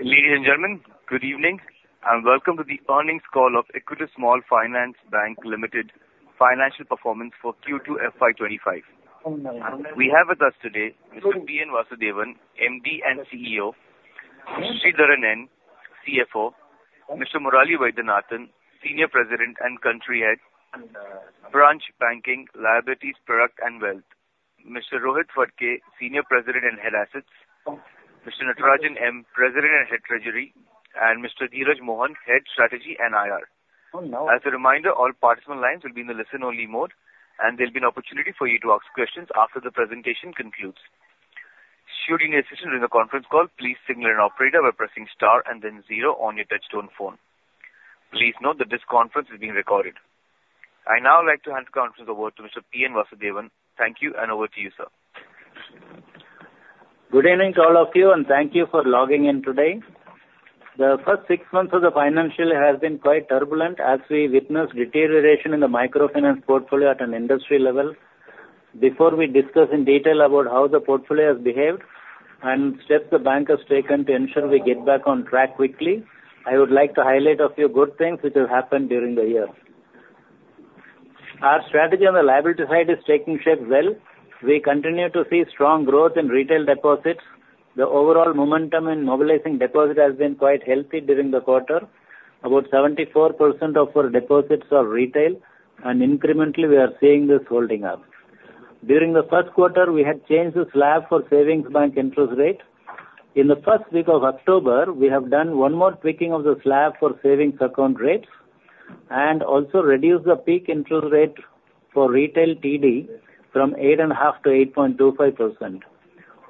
Ladies and gentlemen, good evening and welcome to the earnings call of Equitas Small Finance Bank Limited, financial performance for Q2 FY25. We have with us today Mr. P. N. Vasudevan, MD and CEO; Mr. N. Sridharan, CFO; Mr. Murali Vaidyanathan, Senior President and Country Head; Branch Banking, Liabilities, Product, and Wealth; Mr. Rohit Phadke, Senior President and Head Assets; Mr. Natarajan M., President and Head Treasury; and Mr. Dheeraj Mohan, Head Strategy and IR. As a reminder, all participant lines will be in the listen-only mode, and there will be an opportunity for you to ask questions after the presentation concludes. Should you need assistance during the conference call, please signal an operator by pressing star and then zero on your touch-tone phone. Please note that this conference is being recorded. I now like to hand the conference over to Mr. P. N. Vasudevan. Thank you, and over to you, sir. Good evening to all of you, and thank you for logging in today. The first six months of the financial year have been quite turbulent as we witnessed deterioration in the microfinance portfolio at an industry level. Before we discuss in detail about how the portfolio has behaved and steps the bank has taken to ensure we get back on track quickly, I would like to highlight a few good things which have happened during the year. Our strategy on the liability side is taking shape well. We continue to see strong growth in retail deposits. The overall momentum in mobilizing deposits has been quite healthy during the quarter. About 74% of our deposits are retail, and incrementally we are seeing this holding up. During the first quarter, we had changed the slab for savings bank interest rate. In the first week of October, we have done one more tweaking of the slab for savings account rates and also reduced the peak interest rate for retail TD from 8.5%-8.25%.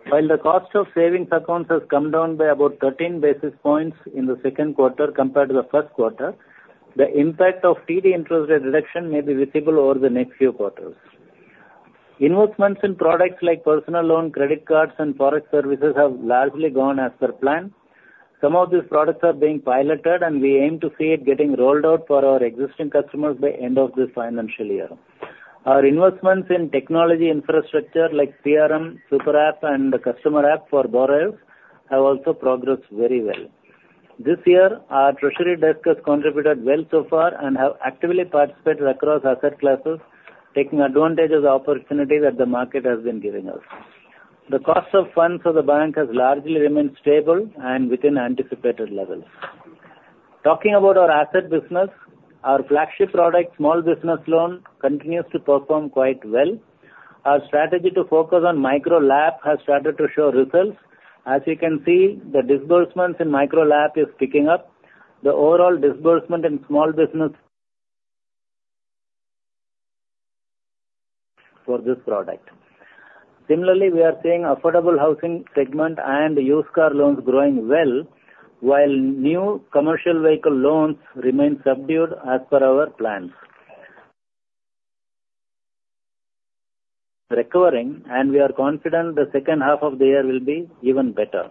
While the cost of savings accounts has come down by about 13 basis points in the second quarter compared to the first quarter, the impact of TD interest rate reduction may be visible over the next few quarters. Investments in products like personal loan, credit cards, and forex services have largely gone as per plan. Some of these products are being piloted, and we aim to see it getting rolled out for our existing customers by the end of this financial year. Our investments in technology infrastructure like CRM, Super App, and the customer app for borrowers have also progressed very well. This year, our treasury desk has contributed well so far and has actively participated across asset classes, taking advantage of the opportunities that the market has been giving us. The cost of funds for the bank has largely remained stable and within anticipated levels. Talking about our asset business, our flagship product, Small Business Loan, continues to perform quite well. Our strategy to focus on Micro LAP has started to show results. As you can see, the disbursements in Micro LAP are picking up. The overall disbursement in small business for this product. Similarly, we are seeing affordable housing segment and Used Car Loans growing well, while New Commercial Vehicle Loans remain subdued as per our plans. Recovering, and we are confident the second half of the year will be even better.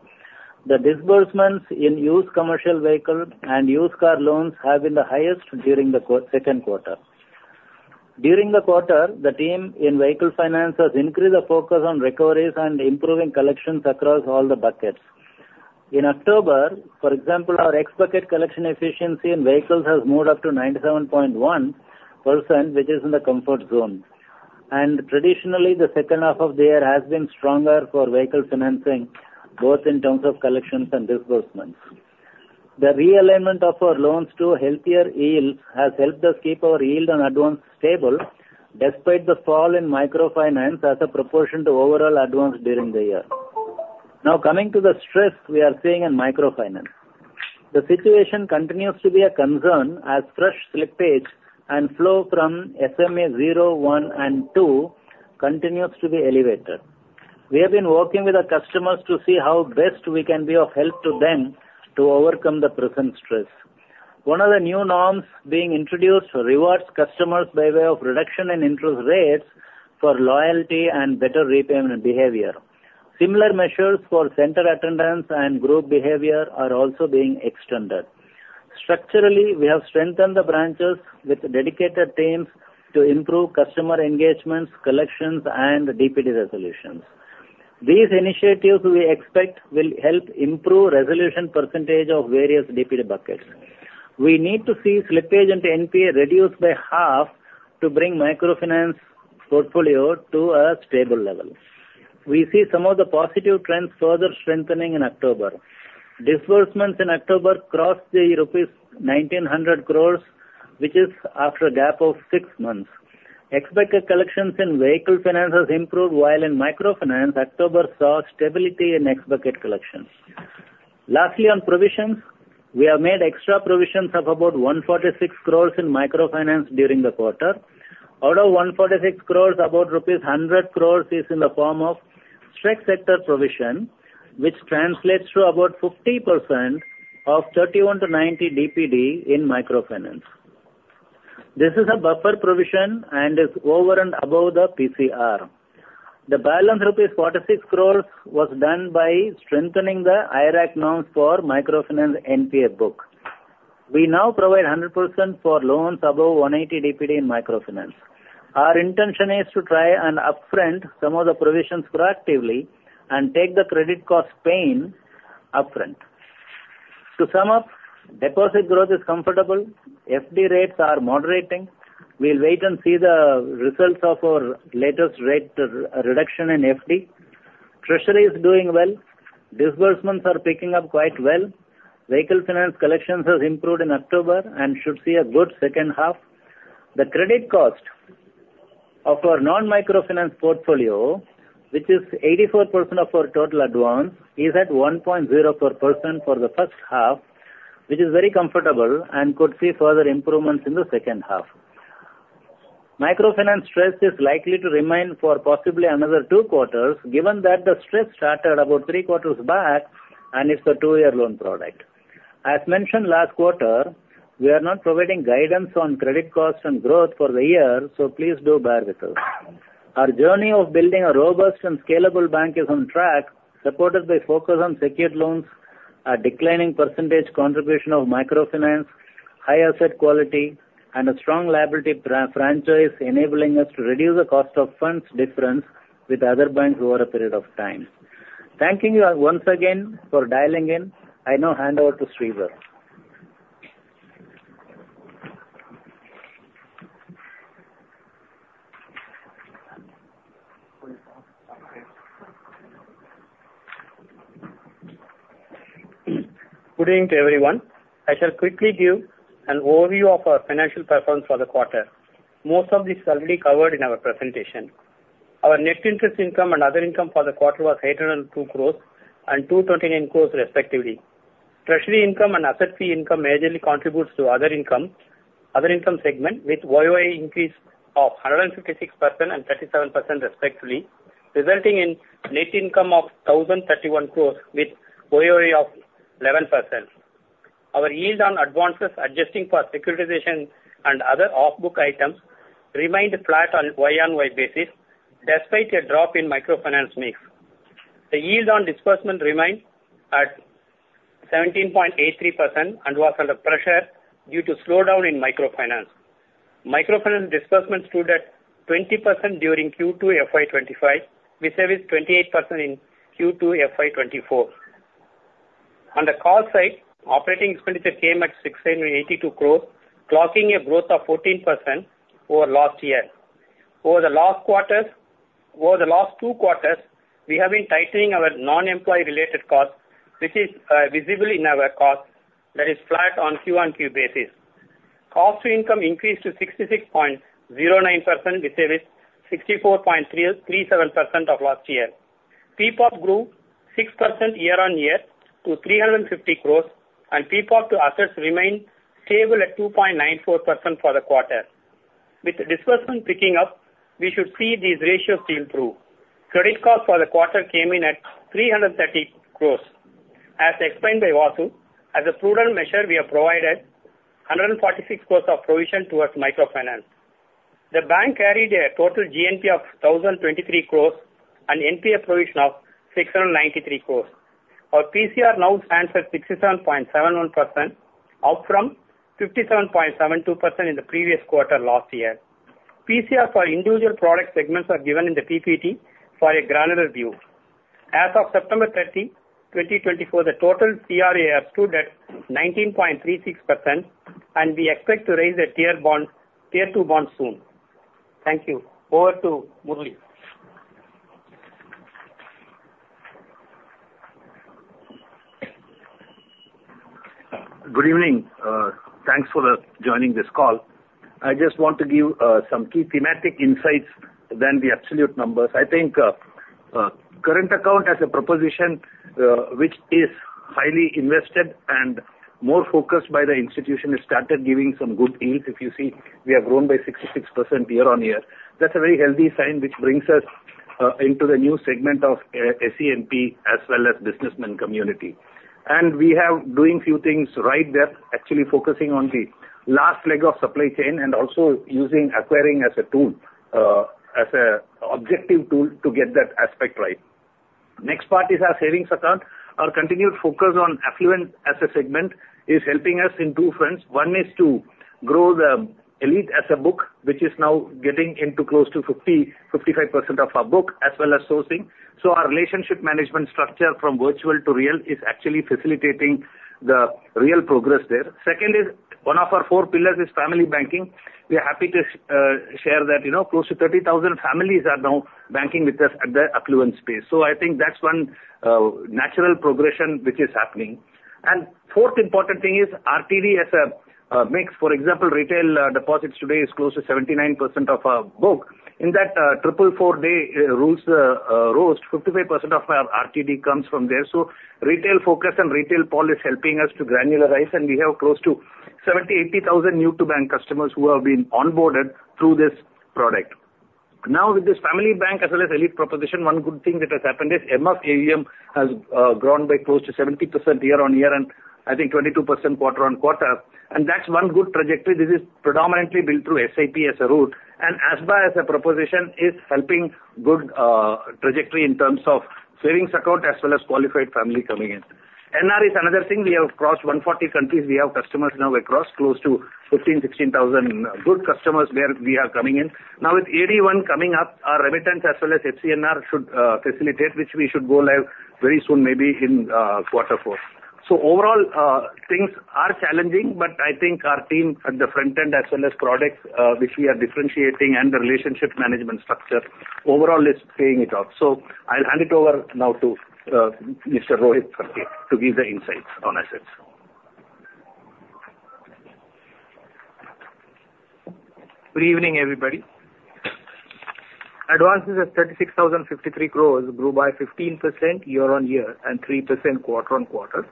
The disbursements in used Commercial Vehicle and Used Car Loans have been the highest during the second quarter. During the quarter, the team in vehicle finance has increased the focus on recoveries and improving collections across all the buckets. In October, for example, our X Bucket collection efficiency in vehicles has moved up to 97.1%, which is in the comfort zone, and traditionally, the second half of the year has been stronger for vehicle financing, both in terms of collections and disbursements. The realignment of our loans to healthier yields has helped us keep our yield on advance stable despite the fall in microfinance as a proportion to overall advance during the year. Now, coming to the stress we are seeing in microfinance, the situation continues to be a concern as fresh slippage and flow from SMA zero, one, and two continues to be elevated. We have been working with our customers to see how best we can be of help to them to overcome the present stress. One of the new norms being introduced rewards customers by way of reduction in interest rates for loyalty and better repayment behavior. Similar measures for center attendance and group behavior are also being extended. Structurally, we have strengthened the branches with dedicated teams to improve customer engagements, collections, and DPD resolutions. These initiatives we expect will help improve resolution percentage of various DPD buckets. We need to see slippage into NPA reduced by half to bring microfinance portfolio to a stable level. We see some of the positive trends further strengthening in October. Disbursements in October crossed the rupees 1,900 crores, which is after a gap of six months. Expected collections in vehicle finance have improved, while in microfinance, October saw stability in X bucket collections. Lastly, on provisions, we have made extra provisions of about 146 crores in microfinance during the quarter. Out of 146 crores, about rupees 100 crores is in the form of straight sector provision, which translates to about 50% of 31-90 DPD in microfinance. This is a buffer provision and is over and above the PCR. The balance of rupees 46 crores was done by strengthening the IRAC norms for microfinance NPA book. We now provide 100% for loans above 180 DPD in microfinance. Our intention is to try and upfront some of the provisions proactively and take the credit cost pain upfront. To sum up, deposit growth is comfortable. FD rates are moderating. We'll wait and see the results of our latest rate reduction in FD. Treasury is doing well. Disbursements are picking up quite well. Vehicle finance collections have improved in October and should see a good second half. The credit cost of our non-microfinance portfolio, which is 84% of our total advance, is at 1.04% for the first half, which is very comfortable and could see further improvements in the second half. Microfinance stress is likely to remain for possibly another two quarters, given that the stress started about three quarters back and it's a two-year loan product. As mentioned last quarter, we are not providing guidance on credit cost and growth for the year, so please do bear with us. Our journey of building a robust and scalable bank is on track, supported by focus on secured loans, a declining percentage contribution of microfinance, high asset quality, and a strong liability franchise, enabling us to reduce the cost of funds difference with other banks over a period of time. Thanking you once again for dialing in. I now hand over to Sridharan. Good evening to everyone. I shall quickly give an overview of our financial performance for the quarter. Most of this is already covered in our presentation. Our net interest income and other income for the quarter was 802 crores and 229 crores, respectively. Treasury income and asset fee income majorly contributes to other income, other income segment, with YOY increase of 156% and 37%, respectively, resulting in net income of 1,031 crores with YOY of 11%. Our yield on advances, adjusting for securitization and other off-book items, remained flat on Y-on-Y basis despite a drop in microfinance mix. The yield on disbursement remained at 17.83% and was under pressure due to slowdown in microfinance. Microfinance disbursement stood at 20% during Q2 FY25, which saved 28% in Q2 FY24. On the cost side, operating expenditure came at 682 crores, clocking a growth of 14% over last year. Over the last two quarters, we have been tightening our non-employee-related costs, which is visible in our cost that is flat on Q-on-Q basis. Cost-to-income increased to 66.09%, which saved 64.37% of last year. PPOP grew 6% year-on-year to 350 crores, and PPOP to assets remained stable at 2.94% for the quarter. With disbursement picking up, we should see these ratios improve. Credit cost for the quarter came in at 330 crores. As explained by Vasu, as a prudent measure, we have provided 146 crores of provision towards microfinance. The bank carried a total GNPA of 1,023 crores and NPA provision of 693 crores. Our PCR now stands at 67.71%, up from 57.72% in the previous quarter last year. PCR for individual product segments are given in the PPT for a granular view. As of September 30, 2024, the total CRAR stood at 19.36%, and we expect to raise the Tier 2 bond soon. Thank you. Over to Murali. Good evening. Thanks for joining this call. I just want to give some key thematic insights, then the absolute numbers. I think current account as a proposition, which is highly invested and more focused by the institution, has started giving some good yields. If you see, we have grown by 66% year-on-year. That's a very healthy sign, which brings us into the new segment of SENP as well as businessman community, and we have been doing a few things right there, actually focusing on the last leg of supply chain and also using acquiring as a tool, as an objective tool to get that aspect right. Next part is our savings account. Our continued focus on affluent asset segment is helping us in two fronts. One is to grow the elite asset book, which is now getting into close to 50-55% of our book, as well as sourcing. So our relationship management structure from virtual to real is actually facilitating the real progress there. Second is one of our four pillars is family banking. We are happy to share that close to 30,000 families are now banking with us at the affluent space. So I think that's one natural progression which is happening. And fourth important thing is RTD as a mix. For example, retail deposits today is close to 79% of our book. In that 444 crore rose, 55% of our RTD comes from there. So retail focus and retail policy is helping us to granularize, and we have close to 70,000, 80,000 new-to-bank customers who have been onboarded through this product. Now, with this family bank as well as elite proposition, one good thing that has happened is MF AUM has grown by close to 70% year-on-year and I think 22% quarter on quarter. That's one good trajectory. This is predominantly built through SEP as a route. ASBA as a proposition is helping good trajectory in terms of savings account as well as qualified family coming in. NR is another thing. We have crossed 140 countries. We have customers now across close to 15,000, 16,000 good customers where we are coming in. Now, with AD1 coming up, our remittance as well as FCNR should facilitate, which we should go live very soon, maybe in quarter four. Overall, things are challenging, but I think our team at the front end as well as products, which we are differentiating and the relationship management structure overall is paying it off. I'll hand it over now to Mr. Rohit Phadke to give the insights on assets. Good evening, everybody. Advances at 36,053 crores grew by 15% year-on-year and 3% quarter on quarter.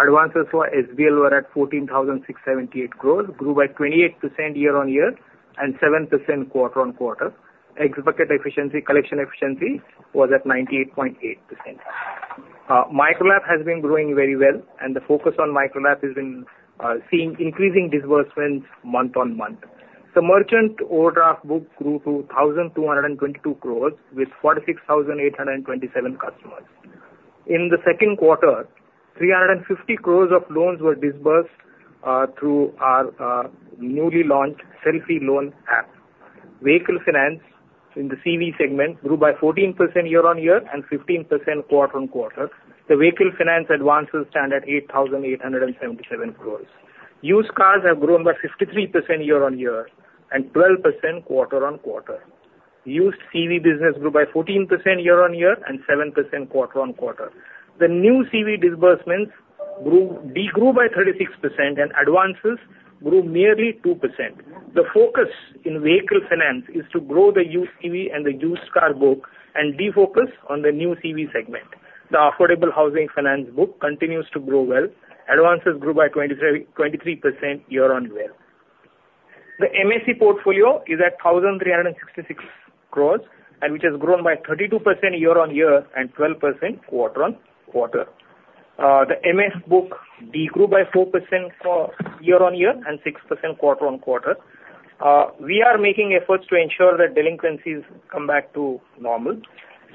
Advances for SBL were at 14,678 crores, grew by 28% year-on-year and 7% quarter on quarter. X bucket efficiency, collection efficiency was at 98.8%. Micro LAP has been growing very well, and the focus on Micro LAP has been seeing increasing disbursements month on month, so Merchant Overdraft book grew to 1,222 crores with 46,827 customers. In the second quarter, 350 crores of loans were disbursed through our newly launched Selfe loan app. Vehicle finance in the CV segment grew by 14% year-on-year and 15% quarter on quarter. The vehicle finance advances stand at 8,877 crores. Used cars have grown by 53% year-on-year and 12% quarter on quarter. Used CV business grew by 14% year-on-year and 7% quarter on quarter. The new CV disbursements degrew by 36%, and advances grew merely 2%. The focus in vehicle finance is to grow the used CV and the used car book and defocus on the new CV segment. The affordable housing finance book continues to grow well. Advances grew by 23% year-on-year. The MSE portfolio is at 1,366 crores, which has grown by 32% year-on-year and 12% quarter on quarter. The MF book degrew by 4% year-on-year and 6% quarter on quarter. We are making efforts to ensure that delinquencies come back to normal.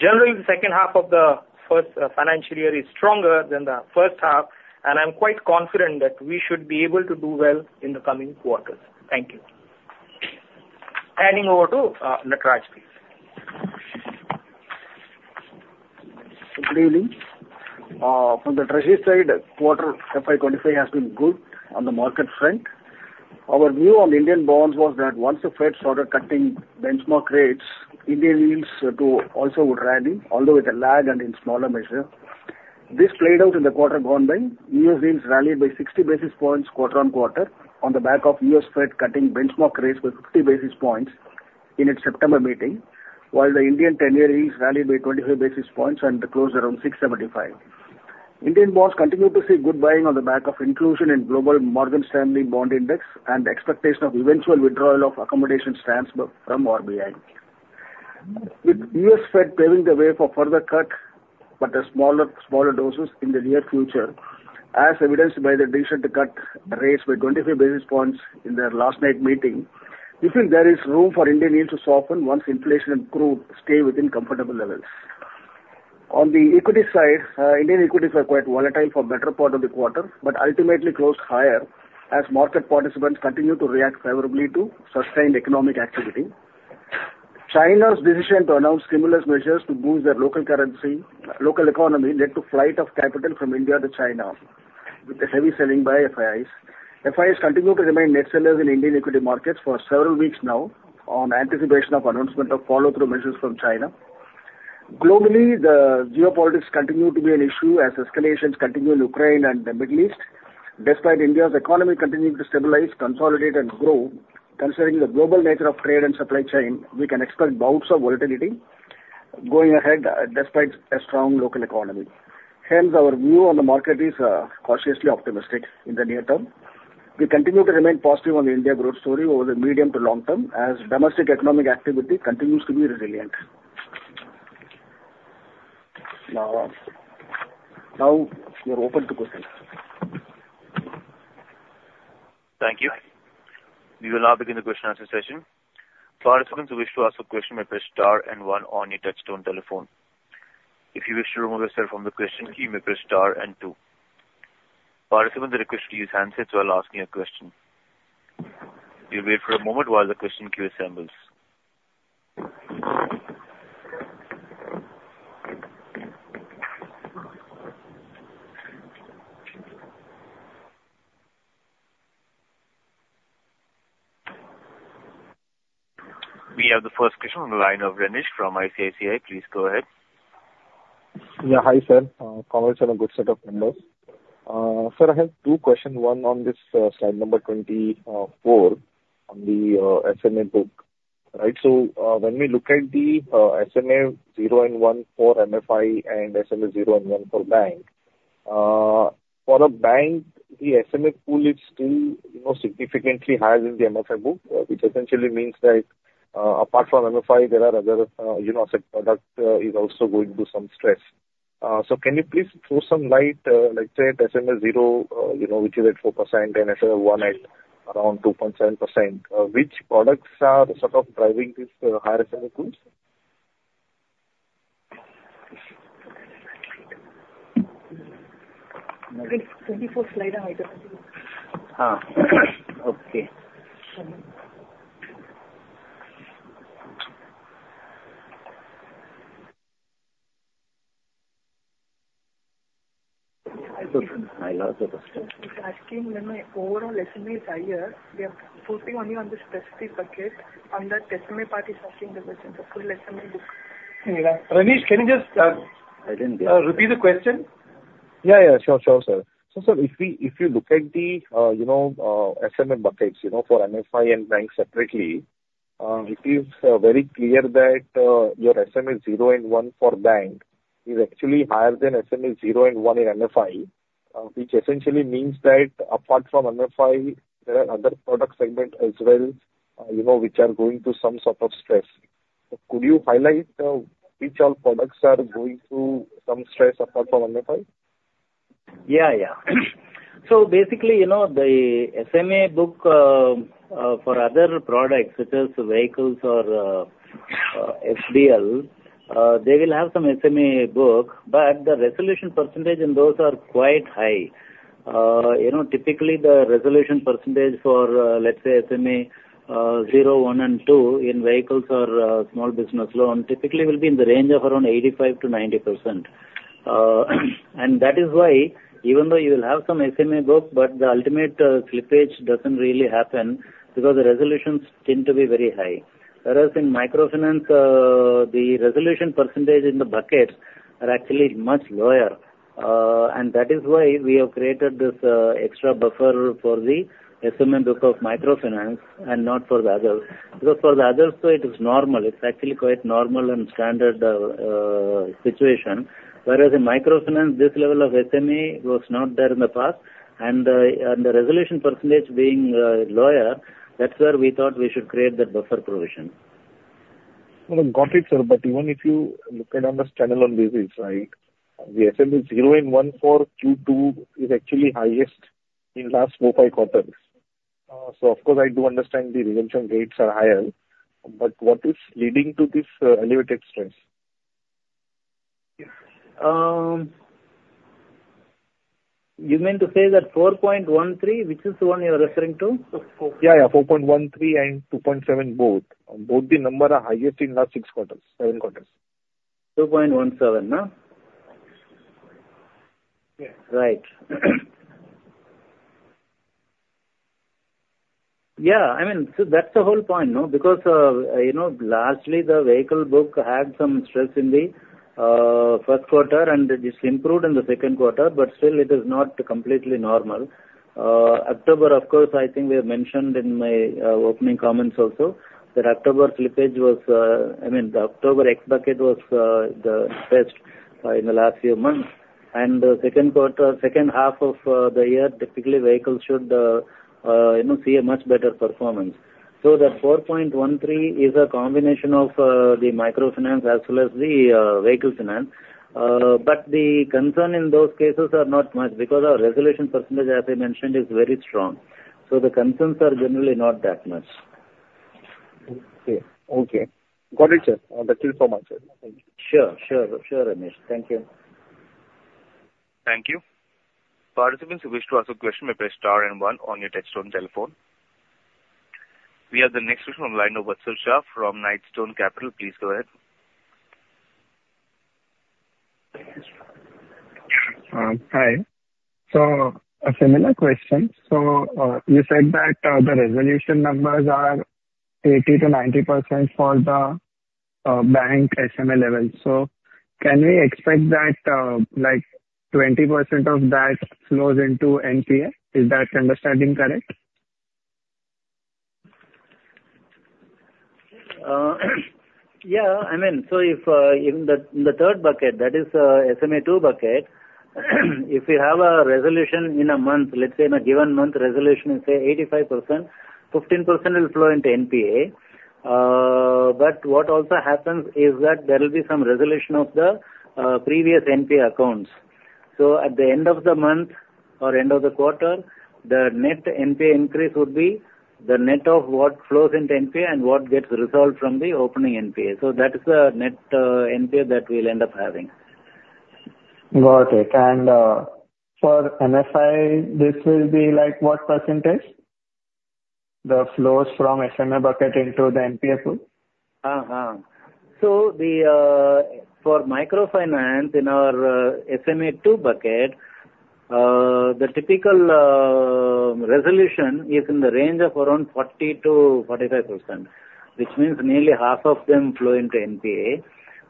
Generally, the second half of the first financial year is stronger than the first half, and I'm quite confident that we should be able to do well in the coming quarters. Thank you. Handing over to Natarajan, please. Good evening. From the treasury side, quarter FY25 has been good on the market front. Our view on Indian bonds was that once the Fed started cutting benchmark rates, Indian yields also would rally, although with a lag and in smaller measure. This played out in the quarter gone by. US yields rallied by 60 basis points quarter on quarter on the back of US Fed cutting benchmark rates by 50 basis points in its September meeting, while the Indian 10-year yields rallied by 25 basis points and closed around 6.75%. Indian bonds continue to see good buying on the back of inclusion in global Morgan Stanley Bond Index and expectation of eventual withdrawal of accommodation stance from RBI. With US Fed paving the way for further cut, but smaller doses in the near future, as evidenced by the decision to cut rates by 25 basis points in their last night's meeting, we feel there is room for Indian yields to soften once inflation and growth stay within comfortable levels. On the equity side, Indian equities were quite volatile for the better part of the quarter, but ultimately closed higher as market participants continue to react favorably to sustained economic activity. China's decision to announce stimulus measures to boost their local economy led to flight of capital from India to China with the heavy selling by FIIs. FIIs continue to remain net sellers in Indian equity markets for several weeks now on anticipation of announcement of follow-through measures from China. Globally, the geopolitics continue to be an issue as escalations continue in Ukraine and the Middle East. Despite India's economy continuing to stabilize, consolidate, and grow, considering the global nature of trade and supply chain, we can expect bouts of volatility going ahead despite a strong local economy. Hence, our view on the market is cautiously optimistic in the near term. We continue to remain positive on the India growth story over the medium to long term as domestic economic activity continues to be resilient. Now, we are open to questions. Thank you. We will now begin the question-answer session. Participants who wish to ask a question may press star and one on your touch-tone telephone. If you wish to remove yourself from the question queue, you may press star and two. Participants are requested to use handsets while asking a question. We'll wait for a moment while the question queue assembles. We have the first question from the line of Renish from ICICI. Please go ahead. Yeah, hi sir. Congrats on a good set of numbers. Sir, I have two questions. One on this slide number 24 on the SMA book. Right? So when we look at the SMA 0 and 1 for MFI and SMA 0 and 1 for bank, for a bank, the SMA pool is still significantly higher than the MFI book, which essentially means that apart from MFI, there are other asset products that are also going to some stress. So can you please throw some light, like say at SMA 0, which is at 4%, and SMA 1 at around 2.7%? Which products are sort of driving this higher SMA pool? 24 slide, I don't see. Okay. I lost the question. It's asking when my overall SMA is higher. We are focusing only on the specific bucket, and that SMA part is asking the question for full SMA book. Renish, can you just repeat the question? Yeah, yeah, sure, sure, sir. So sir, if you look at the SMA buckets for MFI and bank separately, it is very clear that your SMA 0 and 1 for bank is actually higher than SMA 0 and 1 in MFI, which essentially means that apart from MFI, there are other product segments as well which are going to some sort of stress. Could you highlight which all products are going through some stress apart from MFI? Yeah, yeah. So basically, the SMA book for other products, such as vehicles or FDL, they will have some SMA book, but the resolution percentage in those are quite high. Typically, the resolution percentage for, let's say, SMA 0, 1, and 2 in vehicles or small business loan typically will be in the range of around 85%-90%. And that is why, even though you will have some SMA book, but the ultimate slippage doesn't really happen because the resolutions tend to be very high. Whereas in microfinance, the resolution percentage in the buckets are actually much lower. And that is why we have created this extra buffer for the SMA book of microfinance and not for the others. Because for the others, it is normal. It's actually quite normal and standard situation. Whereas in microfinance, this level of SMA was not there in the past. The resolution percentage being lower, that's where we thought we should create that buffer provision. Got it, sir. But even if you look at on this channel on basis, right, the SMA 0 and 1 for Q2 is actually highest in the last four, five quarters. So of course, I do understand the resolution rates are higher. But what is leading to this elevated stress? You mean to say that 4.13, which is the one you are referring to? Yeah, yeah, 4.13 and 2.7 both. Both the number are highest in the last six quarters, seven quarters. 2.17, no? Yes. Right. Yeah, I mean, so that's the whole point, no? Because lastly, the vehicle book had some stress in the first quarter and it improved in the second quarter, but still it is not completely normal. October, of course, I think we have mentioned in my opening comments also that October slippage was, I mean, the October X Bucket was the best in the last few months. And the second quarter, second half of the year, typically vehicles should see a much better performance. So that 4.13 is a combination of the microfinance as well as the vehicle finance. But the concern in those cases are not much because our resolution percentage, as I mentioned, is very strong. So the concerns are generally not that much. Okay, okay. Got it, sir. That's it for my side. Sure, sure, sure, Renish. Thank you. Thank you. Participants who wish to ask a question may press star and one on your touchstone telephone. We have the next question from the line of Vatsal Shah from Knightstone Capital. Please go ahead. Hi. So a similar question. So you said that the resolution numbers are 80%-90% for the bank SMA level. So can we expect that 20% of that flows into NPS? Is that understanding correct? Yeah, I mean, so in the third bucket, that is SMA 2 bucket, if you have a resolution in a month, let's say in a given month, resolution is, say, 85%, 15% will flow into NPA. But what also happens is that there will be some resolution of the previous NPA accounts. So at the end of the month or end of the quarter, the net NPA increase would be the net of what flows into NPA and what gets resolved from the opening NPA. So that is the net NPA that we'll end up having. Got it and for MFI, this will be what percentage? The flows from SMA bucket into the NPA pool? So for microfinance in our SMA 2 bucket, the typical resolution is in the range of around 40%-45%, which means nearly half of them flow into NPA.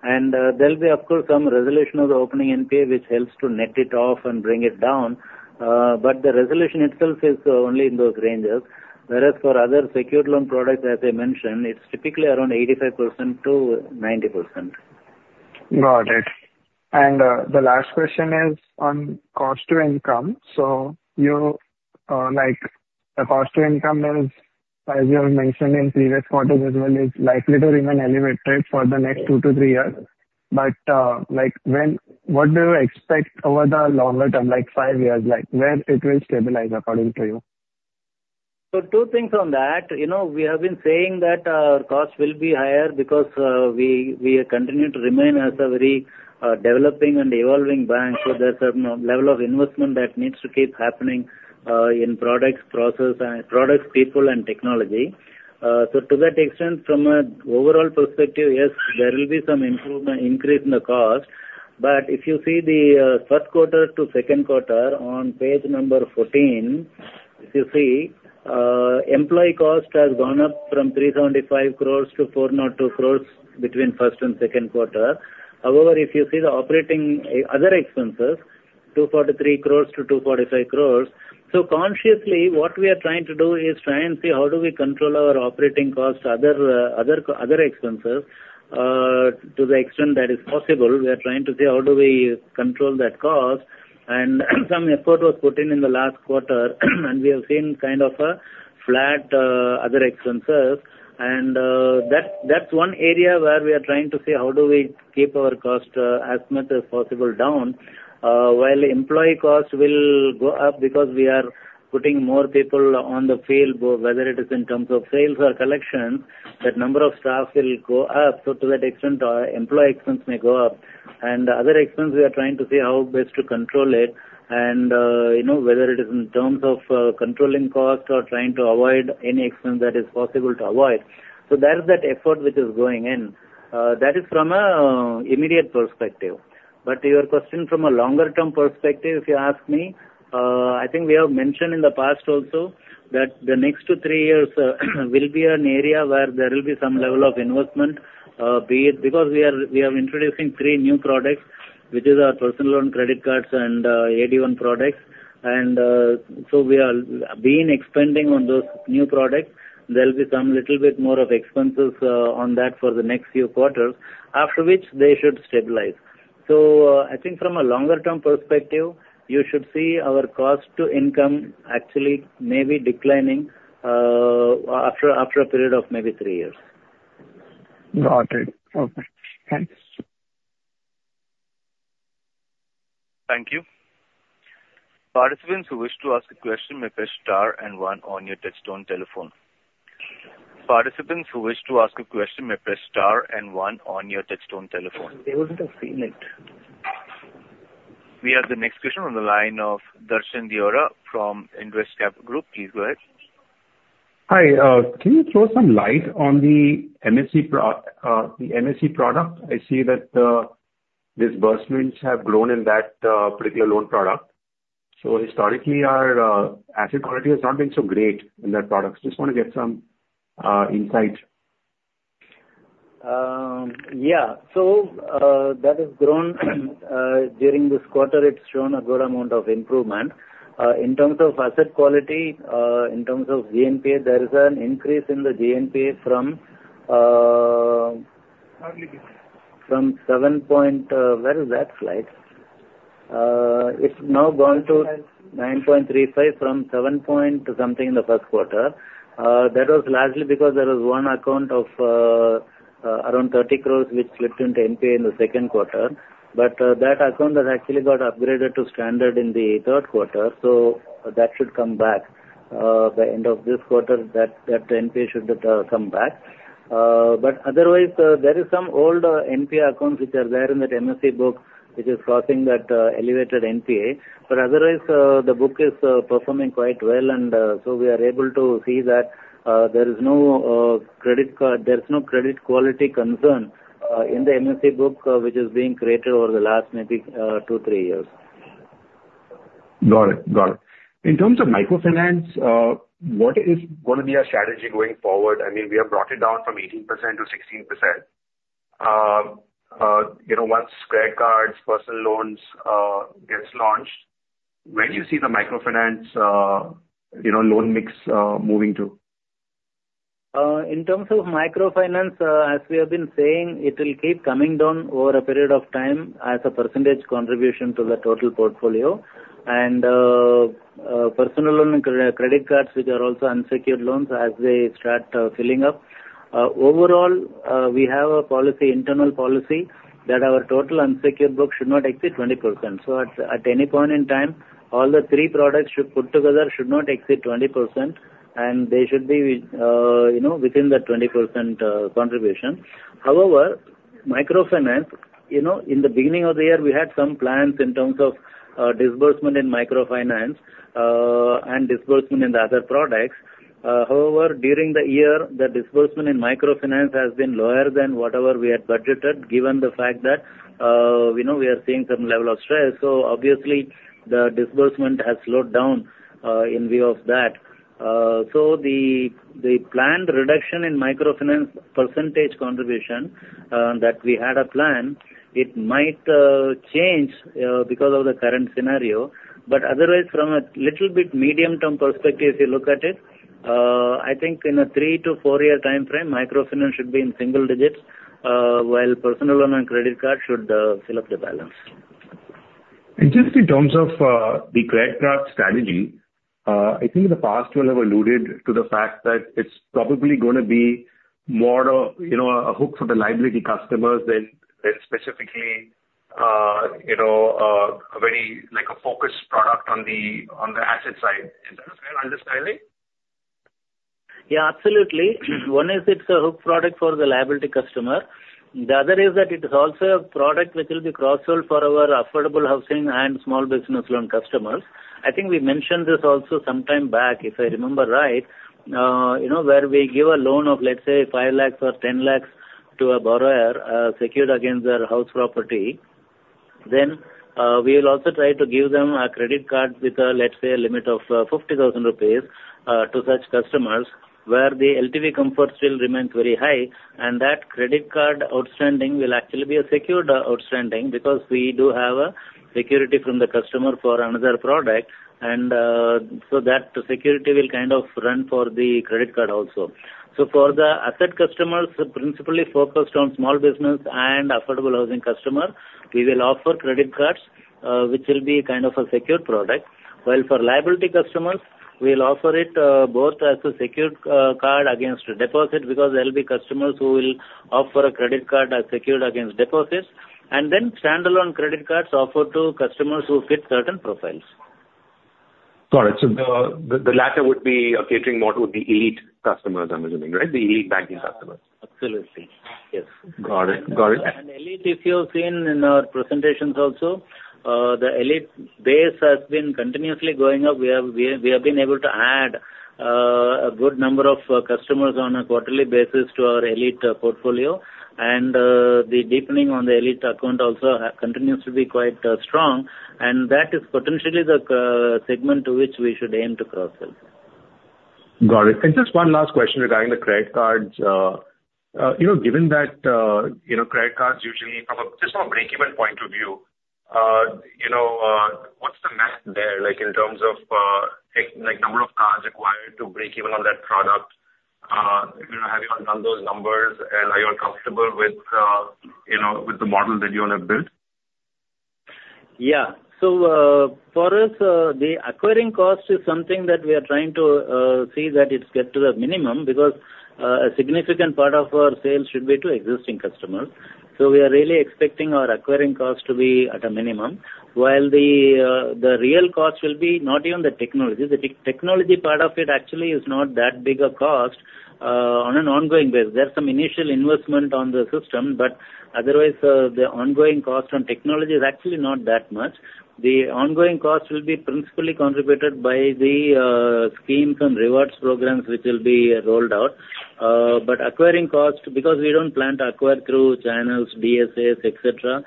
And there'll be, of course, some resolution of the opening NPA, which helps to net it off and bring it down. But the resolution itself is only in those ranges. Whereas for other secured loan products, as I mentioned, it's typically around 85%-90%. Got it. And the last question is on cost to income. So the cost to income is, as you have mentioned in previous quarters as well, is likely to remain elevated for the next two-to-three years. But what do you expect over the longer term, like five years, where it will stabilize according to you? So two things on that. We have been saying that our cost will be higher because we continue to remain as a very developing and evolving bank. So there's a level of investment that needs to keep happening in products, process, and products, people, and technology. So to that extent, from an overall perspective, yes, there will be some increase in the cost. But if you see the first quarter to second quarter on page number 14, if you see, employee cost has gone up from 375 crores to 402 crores between first and second quarter. However, if you see the operating other expenses, 243 crores to 245 crores. So consciously, what we are trying to do is try and see how do we control our operating cost, other expenses, to the extent that is possible. We are trying to see how do we control that cost. Some effort was put in the last quarter, and we have seen kind of a flat other expenses. That's one area where we are trying to see how do we keep our cost as much as possible down while employee cost will go up because we are putting more people on the field, whether it is in terms of sales or collection, that number of staff will go up. To that extent, employee expenses may go up. Other expenses, we are trying to see how best to control it, and whether it is in terms of controlling cost or trying to avoid any expense that is possible to avoid. There's that effort which is going in. That is from an immediate perspective. But to your question, from a longer-term perspective, if you ask me, I think we have mentioned in the past also that the next two to three years will be an area where there will be some level of investment, because we are introducing three new products, which are personal loan credit cards and AD1 products. And so we are being expanding on those new products. There'll be some little bit more of expenses on that for the next few quarters, after which they should stabilize. So I think from a longer-term perspective, you should see our cost to income actually may be declining after a period of maybe three years. Got it. Okay. Thanks. Thank you. Participants who wish to ask a question may press star and one on your touch-tone telephone. They wouldn't have seen it. We have the next question on the line of Darshan Deora from Indvest Group. Please go ahead. Hi. Can you throw some light on the MSC product? I see that disbursements have grown in that particular loan product. So historically, our asset quality has not been so great in that product. Just want to get some insight. Yeah. So that has grown during this quarter. It's shown a good amount of improvement. In terms of asset quality, in terms of GNP, there is an increase in the GNP from 7 point, where is that slide? It's now gone to 9.35 from 7 point something in the first quarter. That was largely because there was one account of around 30 crores which slipped into NPA in the second quarter. But that account has actually got upgraded to standard in the third quarter. So that should come back by the end of this quarter, that NPA should come back. But otherwise, there are some old NPA accounts which are there in that MSE book, which is causing that elevated NPA. But otherwise, the book is performing quite well. So we are able to see that there is no credit quality concern in the MSME book, which is being created over the last maybe two, three years. Got it. Got it. In terms of microfinance, what is going to be our strategy going forward? I mean, we have brought it down from 18% to 16%. Once credit cards, personal loans get launched, where do you see the microfinance loan mix moving to? In terms of microfinance, as we have been saying, it will keep coming down over a period of time as a percentage contribution to the total portfolio, and personal loan and credit cards, which are also unsecured loans, as they start filling up, overall, we have an internal policy that our total unsecured book should not exceed 20%. So at any point in time, all the three products should put together should not exceed 20%, and they should be within that 20% contribution. However, microfinance, in the beginning of the year, we had some plans in terms of disbursement in microfinance and disbursement in the other products. However, during the year, the disbursement in microfinance has been lower than whatever we had budgeted, given the fact that we are seeing some level of stress, so obviously, the disbursement has slowed down in view of that. So the planned reduction in microfinance percentage contribution that we had a plan, it might change because of the current scenario. But otherwise, from a little bit medium-term perspective, if you look at it, I think in a three to four-year time frame, microfinance should be in single digits, while personal loan and credit card should fill up the balance. Just in terms of the credit card strategy, I think in the past, you all have alluded to the fact that it's probably going to be more a hook for the liability customers than specifically a focused product on the asset side. Is that a fair understanding? Yeah, absolutely. One is it's a hook product for the liability customer. The other is that it is also a product which will be cross-sold for our affordable housing and small business loan customers. I think we mentioned this also sometime back, if I remember right, where we give a loan of, let's say, 5 lakhs or 10 lakhs to a borrower secured against their house property. Then we will also try to give them a credit card with, let's say, a limit of 50,000 rupees to such customers, where the LTV comfort still remains very high. And that credit card outstanding will actually be a secured outstanding because we do have security from the customer for another product. And so that security will kind of run for the credit card also. So for the asset customers, principally focused on small business and affordable housing customers, we will offer credit cards, which will be kind of a secured product. While for liability customers, we will offer it both as a secured card against a deposit because there will be customers who will offer a credit card as secured against deposits. And then standalone credit cards offered to customers who fit certain profiles. Got it. So the latter would be a catering model with the elite customers, I'm assuming, right? The elite banking customers. Absolutely. Yes. Got it. Got it. Elite, if you've seen in our presentations also, the elite base has been continuously going up. We have been able to add a good number of customers on a quarterly basis to our elite portfolio. And the deepening on the elite account also continues to be quite strong. And that is potentially the segment to which we should aim to cross-sell. Got it. And just one last question regarding the credit cards. Given that credit cards usually come up just from a break-even point of view, what's the math there in terms of number of cards required to break even on that product? Have you all done those numbers? And are you all comfortable with the model that you all have built? Yeah. So for us, the acquiring cost is something that we are trying to see that it's kept to the minimum because a significant part of our sales should be to existing customers. So we are really expecting our acquiring cost to be at a minimum, while the real cost will be not even the technology. The technology part of it actually is not that big a cost on an ongoing basis. There's some initial investment on the system, but otherwise, the ongoing cost on technology is actually not that much. The ongoing cost will be principally contributed by the schemes and rewards programs which will be rolled out. But acquiring cost, because we don't plan to acquire through channels, DSAs, etc.,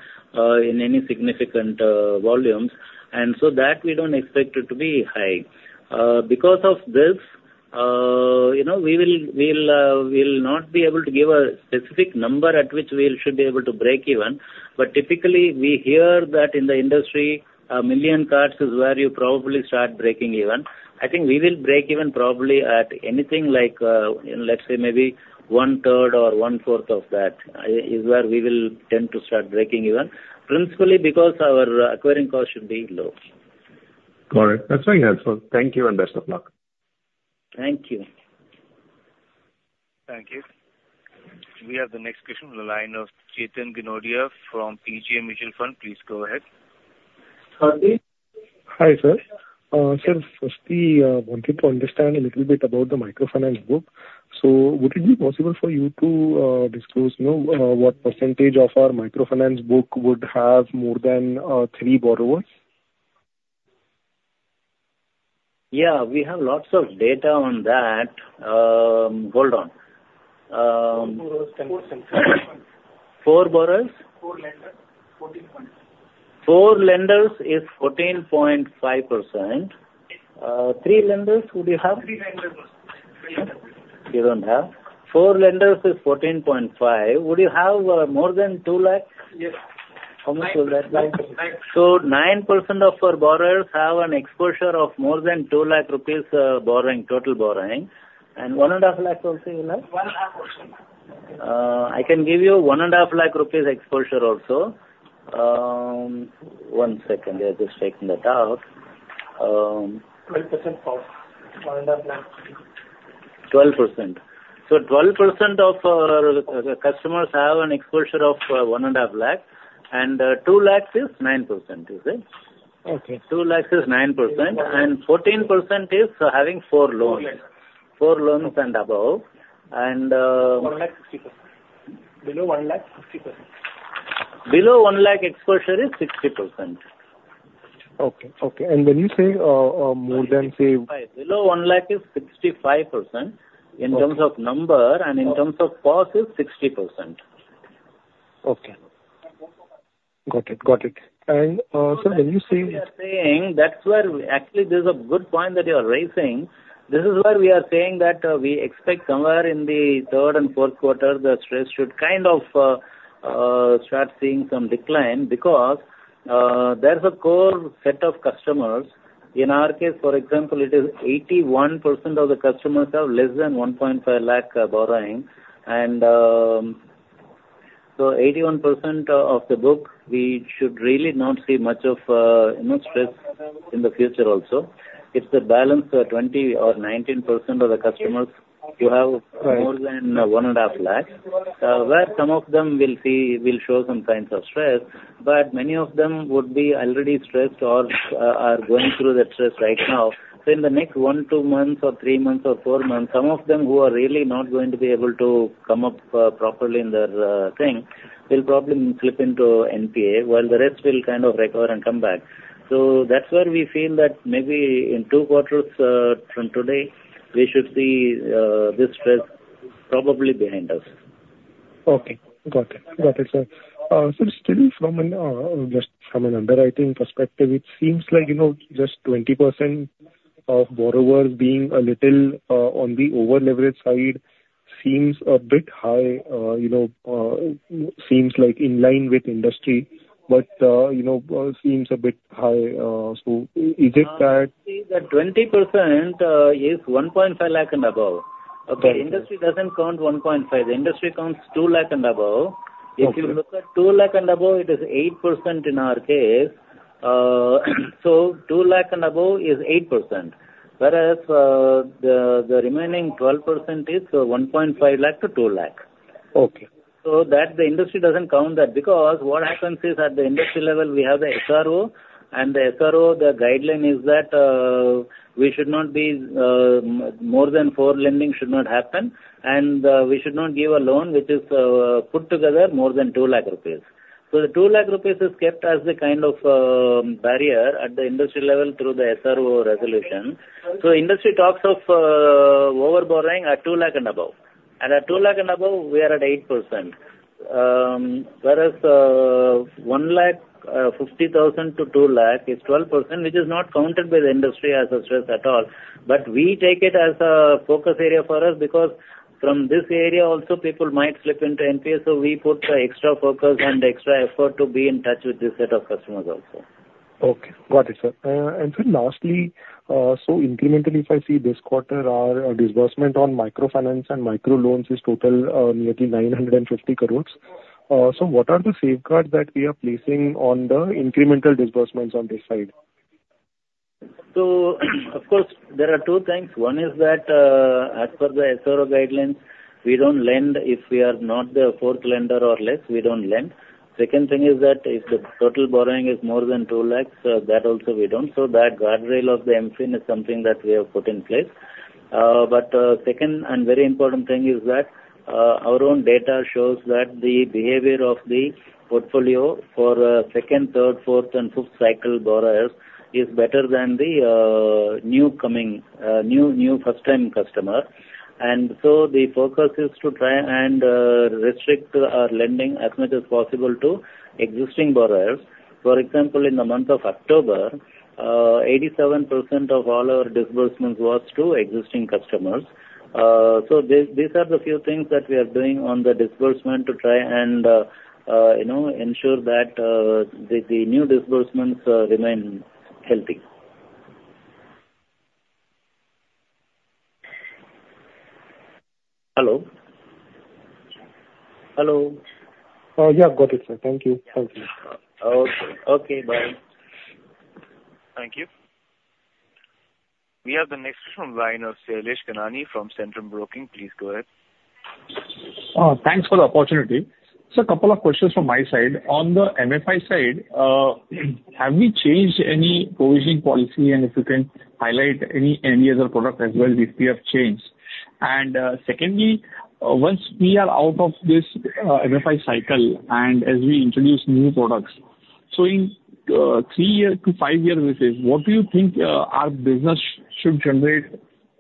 in any significant volumes. And so that we don't expect it to be high. Because of this, we will not be able to give a specific number at which we should be able to break even. But typically, we hear that in the industry, a million cards is where you probably start breaking even. I think we will break even probably at anything like, let's say, maybe one-third or one-fourth of that is where we will tend to start breaking even, principally because our acquiring cost should be low. Got it. That's very helpful. Thank you and best of luck. Thank you. Thank you. We have the next question on the line of Chetan Gindodia from PGIM India Mutual Fund. Please go ahead. Hi, sir. Sir, firstly, I wanted to understand a little bit about the microfinance book. So would it be possible for you to disclose what percentage of our microfinance book would have more than three borrowers? Yeah. We have lots of data on that. Hold on. Four borrowers. Four borrowers? Four lenders. 14.5. Four lenders is 14.5%. Three lenders, would you have? Three lenders. You don't have? Four lenders is 14.5. Would you have more than two lakhs? Yes. How much will that be? So 9% of our borrowers have an exposure of more than 2 lakh rupees borrowing, total borrowing. And 1.5 lakhs also, you have? 1.5 lakhs. I can give you 150,000 rupees exposure also. One second. I'm just taking that out. 12% of INR 1.5 lakhs. 12%. So 12% of our customers have an exposure of 1.5 lakhs. And 2 lakhs is 9%, you said? Okay. Two lakhs is 9%, and 14% is having four loans. Four loans. Four loans and above. 1.60%. Below one lakh, 60%. Below one lakh, exposure is 60%. Okay. And when you say more than, say. Below 1 lakh is 65% in terms of number, and in terms of cost, it's 60%. Okay. Got it. Got it. And sir, when you say. We are saying that's where actually there's a good point that you are raising. This is where we are saying that we expect somewhere in the third and fourth quarter, the stress should kind of start seeing some decline because there's a core set of customers. In our case, for example, it is 81% of the customers have less than 1.5 lakh borrowing. And so 81% of the book, we should really not see much of stress in the future also. It's a balance of 20% or 19% of the customers who have more than 1.5 lakhs, where some of them will show some kinds of stress. But many of them would be already stressed or are going through that stress right now. So in the next one, two months, or three months, or four months, some of them who are really not going to be able to come up properly in their thing will probably slip into NPA, while the rest will kind of recover and come back. So that's where we feel that maybe in two quarters from today, we should see this stress probably behind us. Okay. Got it. Got it, sir. Sir, still from an underwriting perspective, it seems like just 20% of borrowers being a little on the over-leveraged side seems a bit high, seems like in line with industry, but seems a bit high. So is it that? I would say that 20% is 1.5 lakh and above. But industry doesn't count 1.5. The industry counts 2 lakh and above. If you look at 2 lakh and above, it is 8% in our case. So 2 lakh and above is 8%, whereas the remaining 12% is 1.5 lakh to 2 lakh. Okay. So the industry doesn't count that because what happens is at the industry level, we have the SRO, and the SRO, the guideline is that we should not be more than four lending should not happen, and we should not give a loan which is put together more than 2 lakh rupees. So the 2 lakh rupees is kept as the kind of barrier at the industry level through the SRO resolution. So industry talks of overborrowing at 2 lakh and above. And at 2 lakh and above, we are at 8%, whereas 1.5 thousand to 2 lakh is 12%, which is not counted by the industry as a stress at all. But we take it as a focus area for us because from this area also, people might slip into NPA. We put the extra focus and extra effort to be in touch with this set of customers also. Okay. Got it, sir. And then lastly, so incrementally, if I see this quarter, our disbursement on microfinance and microloans is total nearly 950 crores. So what are the safeguards that we are placing on the incremental disbursements on this side? So of course, there are two things. One is that as per the SRO guidelines, we don't lend if we are not the fourth lender or less, we don't lend. Second thing is that if the total borrowing is more than 2 lakhs, that also we don't. So that guardrail of the MFIN is something that we have put in place. But second and very important thing is that our own data shows that the behavior of the portfolio for second, third, fourth, and fifth cycle borrowers is better than the new first-time customer. And so the focus is to try and restrict our lending as much as possible to existing borrowers. For example, in the month of October, 87% of all our disbursements was to existing customers. So these are the few things that we are doing on the disbursement to try and ensure that the new disbursements remain healthy. Hello. Hello. Yeah, got it, sir. Thank you. Thank you. Okay. Okay. Bye. Thank you. We have the next question from the line of Shailesh Kanani from Centrum Broking. Please go ahead. Thanks for the opportunity. So a couple of questions from my side. On the MFI side, have we changed any provisioning policy? And if you can highlight any other product as well which we have changed. And secondly, once we are out of this MFI cycle and as we introduce new products, so in three years to five year basis, what do you think our business should generate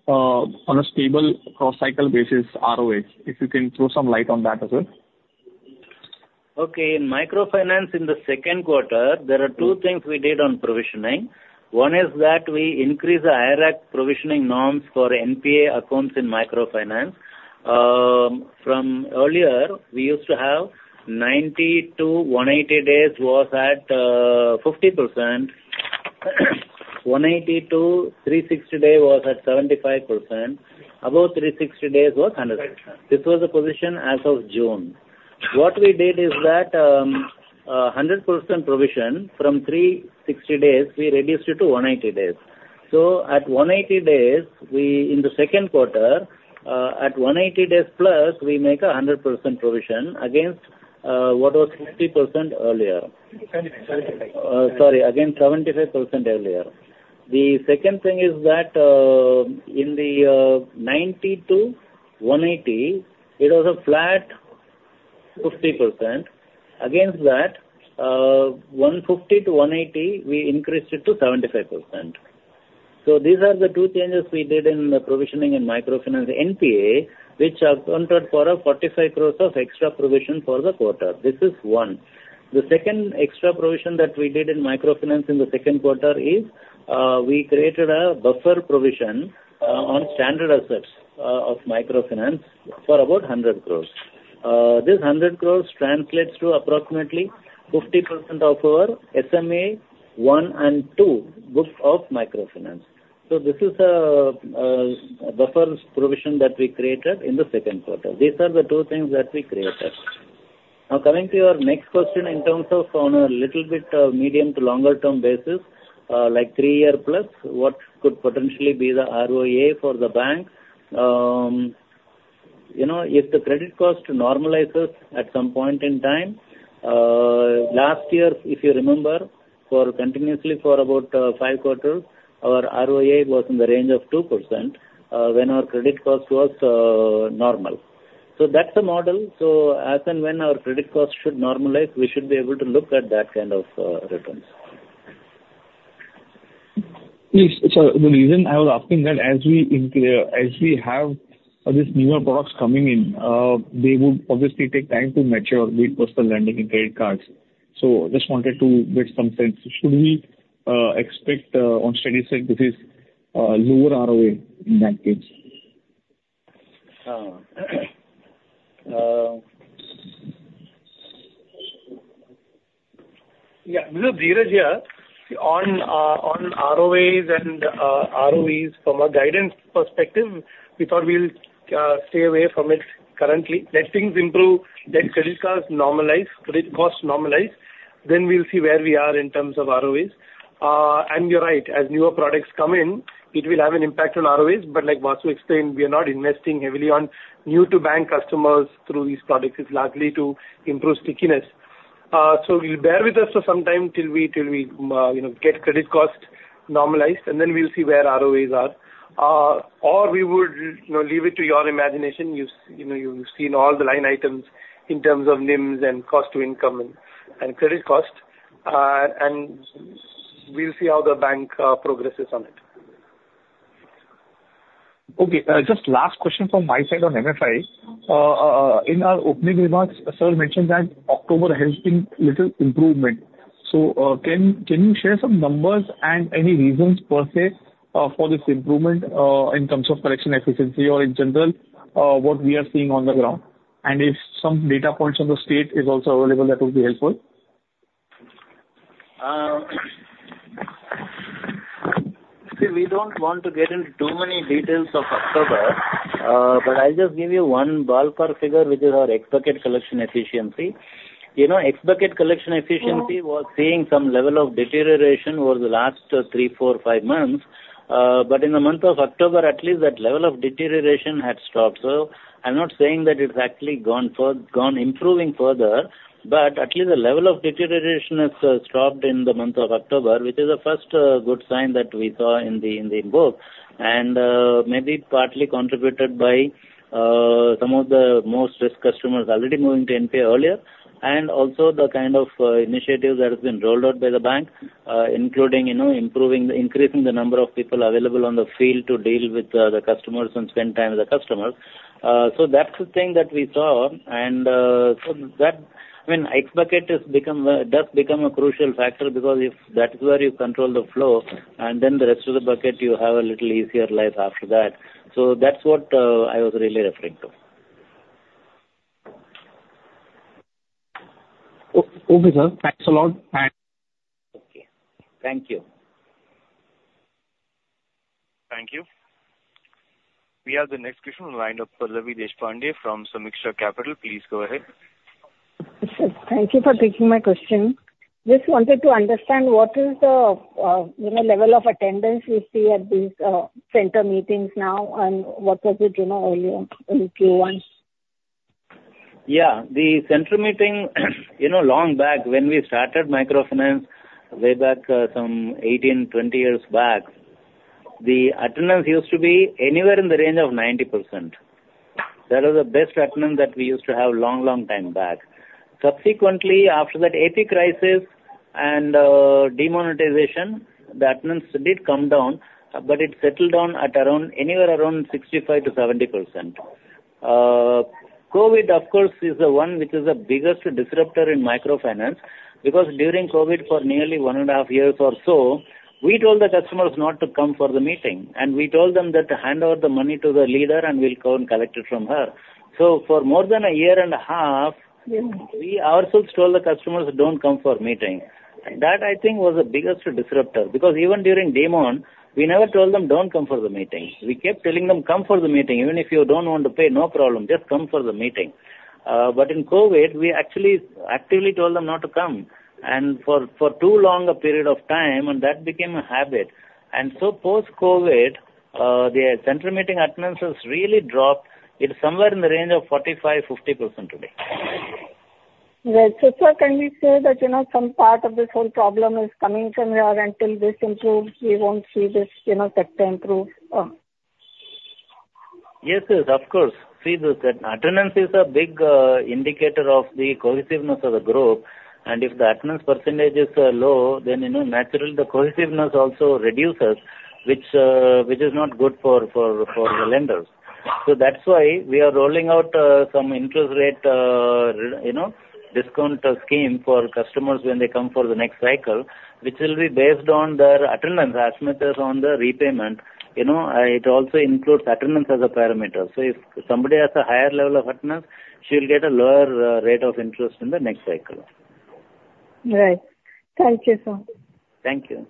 on a stable cross-cycle basis ROA? If you can throw some light on that as well. Okay. In microfinance in the second quarter, there are two things we did on provisioning. One is that we increased the IRAC provisioning norms for NPA accounts in microfinance. From earlier, we used to have 90-180 days was at 50%. 180-360 days was at 75%. Above 360 days was 100%. This was the position as of June. What we did is that 100% provision from 360 days, we reduced it to 180 days. So at 180 days, in the second quarter, at 180 days plus, we make a 100% provision against what was 50% earlier. 75%. Sorry. Against 75% earlier. The second thing is that in the 90-180, it was a flat 50%. Against that, 150-180, we increased it to 75%. So these are the two changes we did in the provisioning in microfinance NPA, which accounted for a 45 crores of extra provision for the quarter. This is one. The second extra provision that we did in microfinance in the second quarter is we created a buffer provision on standard assets of microfinance for about 100 crores. This 100 crores translates to approximately 50% of our SMA 1 and 2 books of microfinance. So this is a buffer provision that we created in the second quarter. These are the two things that we created. Now, coming to your next question in terms of on a little bit medium to longer-term basis, like three years plus, what could potentially be the ROA for the bank? If the credit cost normalizes at some point in time, last year, if you remember, continuously for about five quarters, our ROA was in the range of 2% when our credit cost was normal. So that's the model. So as and when our credit cost should normalize, we should be able to look at that kind of returns. Sir, the reason I was asking that, as we have these newer products coming in, they would obviously take time to mature with personal lending and credit cards. So I just wanted to get some sense. Should we expect on steady state this is lower ROA in that case? Yeah. Deal is here. On ROAs and ROEs, from a guidance perspective, we thought we'll stay away from it currently. Let things improve, let credit cards normalize, credit costs normalize, then we'll see where we are in terms of ROAs. You're right. As newer products come in, it will have an impact on ROAs. But like Vasu explained, we are not investing heavily on new-to-bank customers through these products. It's likely to improve stickiness. Bear with us for some time till we get credit cost normalized, and then we'll see where ROAs are. Or we would leave it to your imagination. You've seen all the line items in terms of NIMs and cost to income and credit cost. We'll see how the bank progresses on it. Okay. Just last question from my side on MFI. In our opening remarks, sir mentioned that October has been a little improvement. So can you share some numbers and any reasons per se for this improvement in terms of collection efficiency or in general what we are seeing on the ground? And if some data points on the state is also available, that would be helpful. See, we don't want to get into too many details of October, but I'll just give you one ballpark figure, which is our expected collection efficiency. Expected collection efficiency was seeing some level of deterioration over the last three, four, five months. But in the month of October, at least that level of deterioration had stopped. So I'm not saying that it's actually gone improving further, but at least the level of deterioration has stopped in the month of October, which is the first good sign that we saw in the book, and maybe partly contributed by some of the most risk customers already moving to NPA earlier. And also the kind of initiative that has been rolled out by the bank, including increasing the number of people available on the field to deal with the customers and spend time with the customers. So that's the thing that we saw. I mean, expected has become a crucial factor because if that's where you control the flow, and then the rest of the bucket, you have a little easier life after that. That's what I was really referring to. Okay, sir. Thanks a lot. Okay. Thank you. Thank you. We have the next question lined up. Pallavi Deshpande from Sameeksha Capital. Please go ahead. Thank you for taking my question. Just wanted to understand what is the level of attendance we see at these center meetings now, and what was it earlier in Q1? Yeah. The center meeting, long back when we started microfinance way back some 18, 20 years back, the attendance used to be anywhere in the range of 90%. That was the best attendance that we used to have a long, long time back. Subsequently, after that AP crisis and demonetization, the attendance did come down, but it settled down at anywhere around 65%-70%. COVID, of course, is the one which is the biggest disruptor in microfinance because during COVID, for nearly one and a half years or so, we told the customers not to come for the meeting, and we told them that to hand over the money to the leader and we'll go and collect it from her, so for more than a year and a half, we ourselves told the customers don't come for meeting. That, I think, was the biggest disruptor because even during demonetization, we never told them don't come for the meeting. We kept telling them come for the meeting. Even if you don't want to pay, no problem. Just come for the meeting. But in COVID, we actually actively told them not to come. And for too long a period of time, and that became a habit. And so post-COVID, the center meeting attendance has really dropped. It's somewhere in the range of 45%-50% today. Right. So sir, can we say that some part of this whole problem is coming from here until this improves? We won't see this sector improve. Yes, yes. Of course. See this. Attendance is a big indicator of the cohesiveness of the group. And if the attendance percentage is low, then naturally the cohesiveness also reduces, which is not good for the lenders. So that's why we are rolling out some interest rate discount scheme for customers when they come for the next cycle, which will be based on their attendance as much as on the repayment. It also includes attendance as a parameter. So if somebody has a higher level of attendance, she'll get a lower rate of interest in the next cycle. Right. Thank you, sir. Thank you.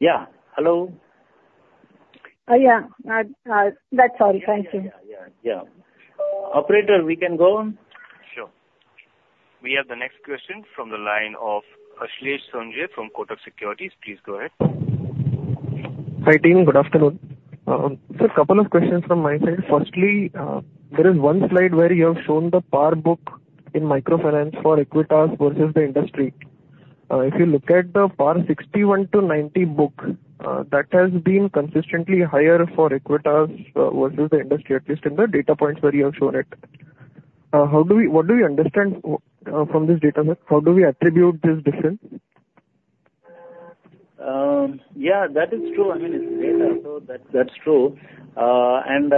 Yeah. Hello. Yeah. That's all. Thank you. Yeah, yeah, yeah. Operator, we can go on? Sure. We have the next question from the line of Ashlesh Sonje from Kotak Securities. Please go ahead. Hi team. Good afternoon. Sir, a couple of questions from my side. Firstly, there is one slide where you have shown the PAR book in microfinance for Equitas versus the industry. If you look at the PAR 61-90 book, that has been consistently higher for Equitas versus the industry, at least in the data points where you have shown it. What do we understand from this data, sir? How do we attribute this difference? Yeah, that is true. I mean, it's data, so that's true. And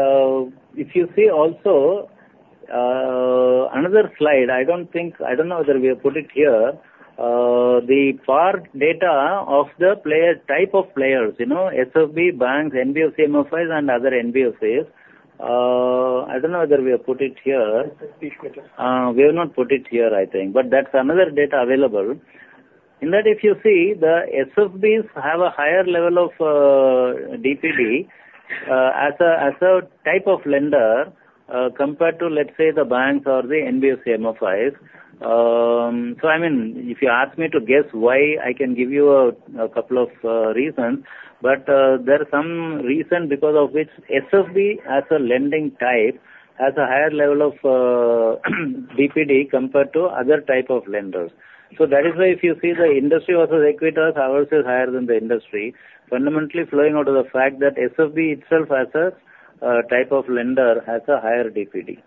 if you see also another slide, I don't know whether we have put it here. The PAR data of the type of players: SFB, banks, NBFC, MFIs, and other NBFCs. I don't know whether we have put it here. We have not put it here, I think. But that's another data available. In that, if you see, the SFBs have a higher level of DPD as a type of lender compared to, let's say, the banks or the NBFC, MFIs. So I mean, if you ask me to guess why, I can give you a couple of reasons. But there are some reasons because of which SFB as a lending type has a higher level of DPD compared to other types of lenders. So that is why, if you see the industry versus Equitas higher than the industry, fundamentally flowing out of the fact that SFB itself as a type of lender has a higher DPD.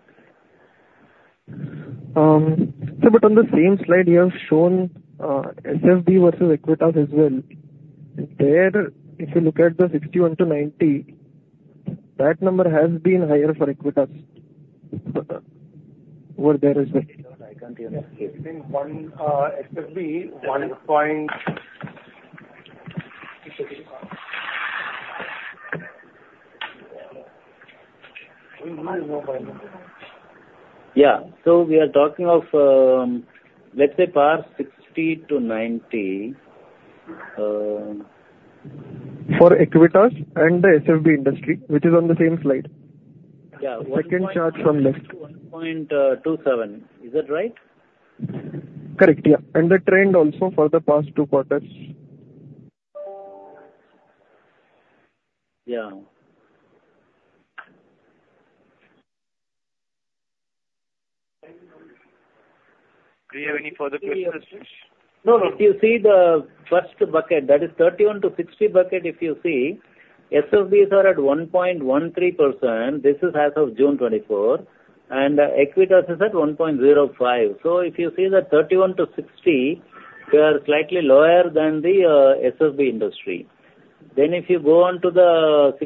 Sir, but on the same slide, you have shown SFB versus Equitas as well. There, if you look at the 61 to 90, that number has been higher for Equitas over there as well. I can't hear you. It's been one SFB, 1%. Yeah. So we are talking of, let's say, PAR 60-90. For Equitas and the SFB industry, which is on the same slide. Yeah. 1.27. Second chart from left. Is that right? Correct. Yeah, and that trended also for the past two quarters. Yeah. Do you have any further questions? No, no. If you see the first bucket, that is the 31-60 bucket. If you see, SFBs are at 1.13%. This is as of June 24, and Equitas is at 1.05, so if you see that 31-60, we are slightly lower than the SFB industry. Then if you go on to the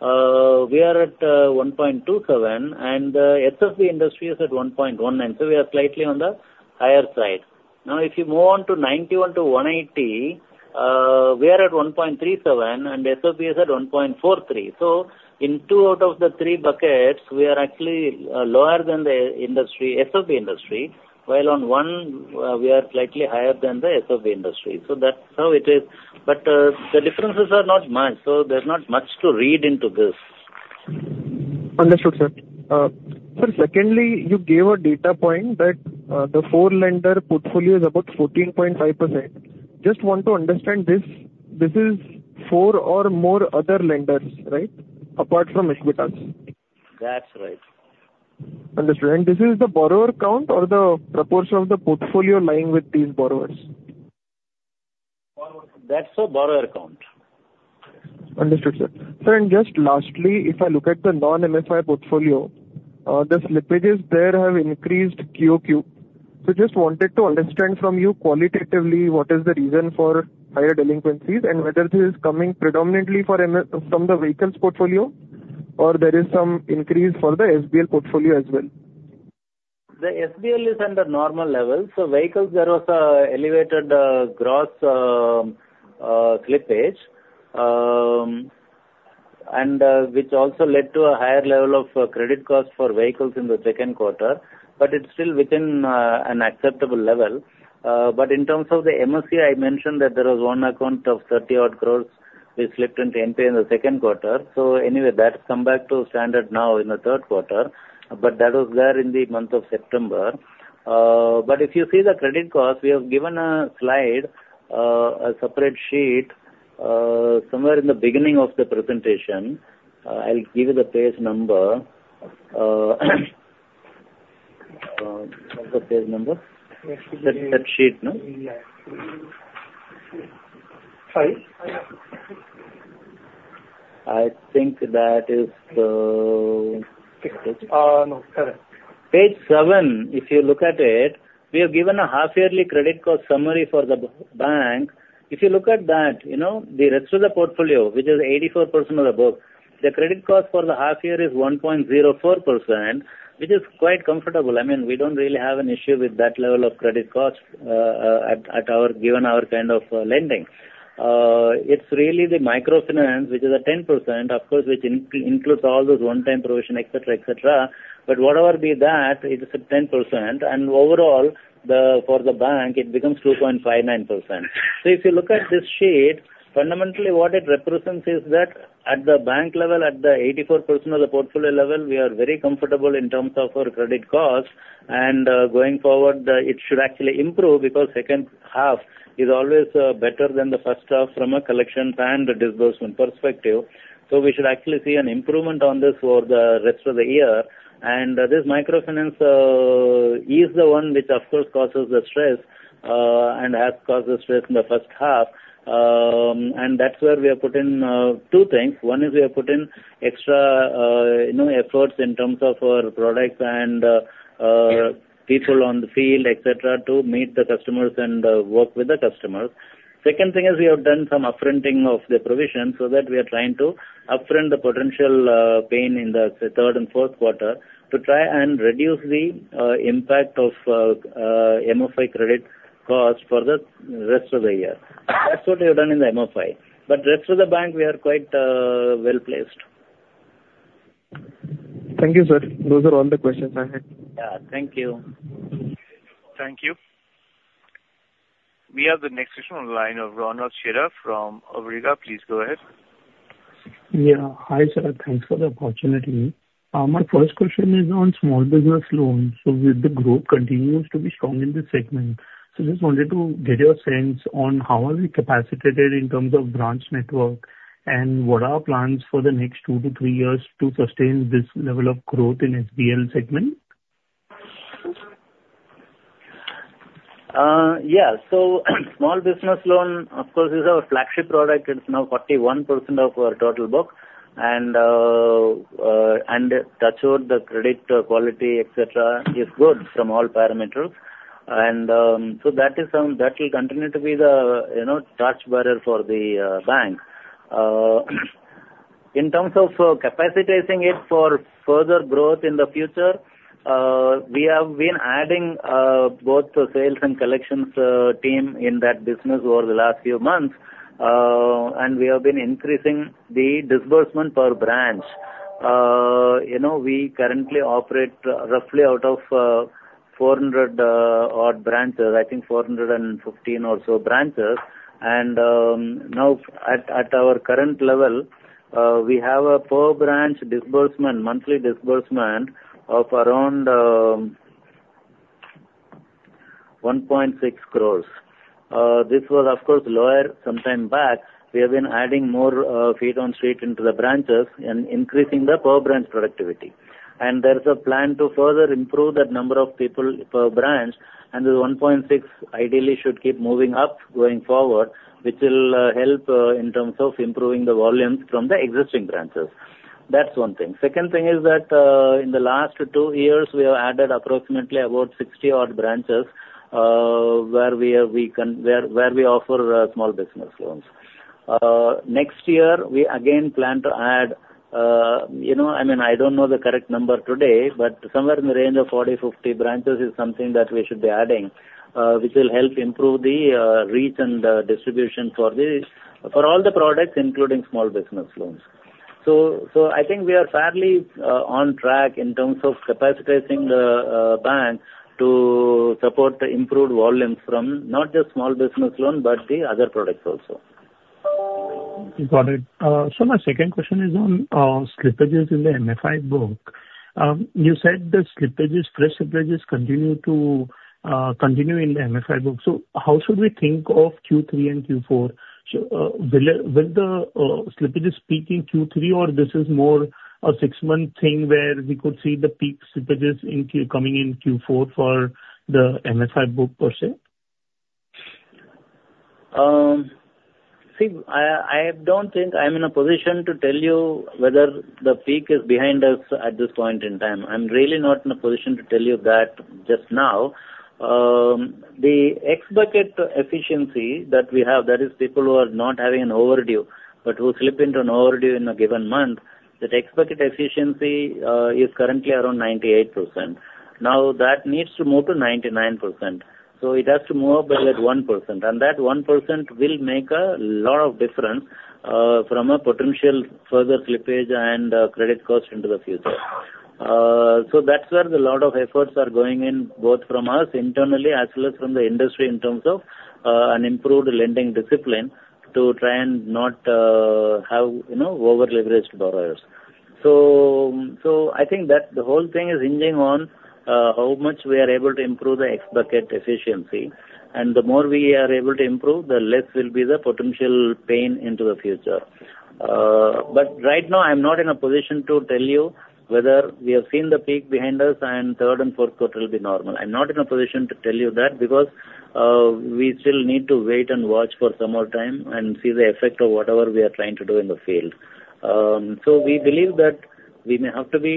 61-90, we are at 1.27, and the SFB industry is at 1.19, so we are slightly on the higher side. Now, if you move on to the 91-180, we are at 1.37, and SFB is at 1.43, so in two out of the three buckets, we are actually lower than the industry, SFB industry, while on one, we are slightly higher than the SFB industry. So that's how it is, but the differences are not much, so there's not much to read into this. Understood, sir. Sir, secondly, you gave a data point that the four-lender portfolio is about 14.5%. Just want to understand this. This is four or more other lenders, right, apart from Equitas? That's right. Understood. And this is the borrower count or the proportion of the portfolio lying with these borrowers? That's the borrower count. Understood, sir. Sir, and just lastly, if I look at the non-MFI portfolio, the slippages there have increased QOQ. So just wanted to understand from you qualitatively what is the reason for higher delinquencies and whether this is coming predominantly from the vehicles portfolio or there is some increase for the SBL portfolio as well? The SBL is at the normal level. So vehicles, there was an elevated gross slippage, which also led to a higher level of credit cost for vehicles in the second quarter. But it's still within an acceptable level. But in terms of the MSE, I mentioned that there was one account of 30-odd crores which slipped into NPA in the second quarter. So anyway, that's come back to standard now in the third quarter. But that was there in the month of September. But if you see the credit cost, we have given a slide, a separate sheet somewhere in the beginning of the presentation. I'll give you the page number. That's the page number. That sheet, no? Sorry? I think that is the. Page 6. No. Page 7, if you look at it, we have given a half-yearly credit cost summary for the bank. If you look at that, the rest of the portfolio, which is 84% of the book, the credit cost for the half year is 1.04%, which is quite comfortable. I mean, we don't really have an issue with that level of credit cost given our kind of lending. It's really the microfinance, which is at 10%, of course, which includes all those one-time provision, etc., etc. But whatever be that, it is at 10%. And overall, for the bank, it becomes 2.59%. So if you look at this sheet, fundamentally, what it represents is that at the bank level, at the 84% of the portfolio level, we are very comfortable in terms of our credit cost. Going forward, it should actually improve because second half is always better than the first half from a collection and disbursement perspective. We should actually see an improvement on this for the rest of the year. This microfinance is the one which, of course, causes the stress and has caused the stress in the first half. That's where we have put in two things. One is we have put in extra efforts in terms of our products and people on the field, etc., to meet the customers and work with the customers. Second thing is we have done some upfronting of the provision so that we are trying to upfront the potential pain in the third and fourth quarter to try and reduce the impact of MFI credit cost for the rest of the year. That's what we have done in the MFI. But the rest of the bank, we are quite well placed. Thank you, sir. Those are all the questions I had. Yeah. Thank you. Thank you. We have the next question on the line of Ronak Chheda from Awriga. Please go ahead. Yeah. Hi, sir. Thanks for the opportunity. My first question is on small business loans. So the group continues to be strong in this segment. So just wanted to get your sense on how are we capacitated in terms of branch network and what are our plans for the next two to three years to sustain this level of growth in SBL segment? Yeah. Small business loan, of course, is our flagship product. It's now 41% of our total book. That showed the credit quality, etc., is good from all parameters. That will continue to be the touchstone for the bank. In terms of capacitating it for further growth in the future, we have been adding both the sales and collections team in that business over the last few months. We have been increasing the disbursement per branch. We currently operate roughly out of 400-odd branches, I think 415 or so branches. Now, at our current level, we have a per branch disbursement, monthly disbursement of around 1.6 crores. This was, of course, lower sometime back. We have been adding more feet on street into the branches and increasing the per branch productivity. There's a plan to further improve that number of people per branch. The 1.6 ideally should keep moving up going forward, which will help in terms of improving the volumes from the existing branches. That's one thing. Second thing is that in the last two years, we have added approximately about 60-odd branches where we offer small business loans. Next year, we again plan to add, I mean, I don't know the correct number today, but somewhere in the range of 40-50 branches is something that we should be adding, which will help improve the reach and distribution for all the products, including small business loans. So I think we are fairly on track in terms of capacitating the bank to support improved volumes from not just small business loans, but the other products also. Got it. Sir, my second question is on slippages in the MFI book. You said the slippages, fresh slippages continue in the MFI book. So how should we think of Q3 and Q4? Will the slippages peak in Q3, or this is more a six-month thing where we could see the peak slippages coming in Q4 for the MFI book per se? See, I don't think I'm in a position to tell you whether the peak is behind us at this point in time. I'm really not in a position to tell you that just now. The X-bucket efficiency that we have, that is people who are not having an overdue, but who slip into an overdue in a given month, that X-bucket efficiency is currently around 98%. Now, that needs to move to 99%. So it has to move up at 1%. And that 1% will make a lot of difference from a potential further slippage and credit cost into the future. So that's where a lot of efforts are going in, both from us internally as well as from the industry in terms of an improved lending discipline to try and not have over-leveraged borrowers. So I think that the whole thing is hinging on how much we are able to improve the X-bucket efficiency. And the more we are able to improve, the less will be the potential pain into the future. But right now, I'm not in a position to tell you whether we have seen the peak behind us and third and fourth quarter will be normal. I'm not in a position to tell you that because we still need to wait and watch for some more time and see the effect of whatever we are trying to do in the field. So we believe that we may have to be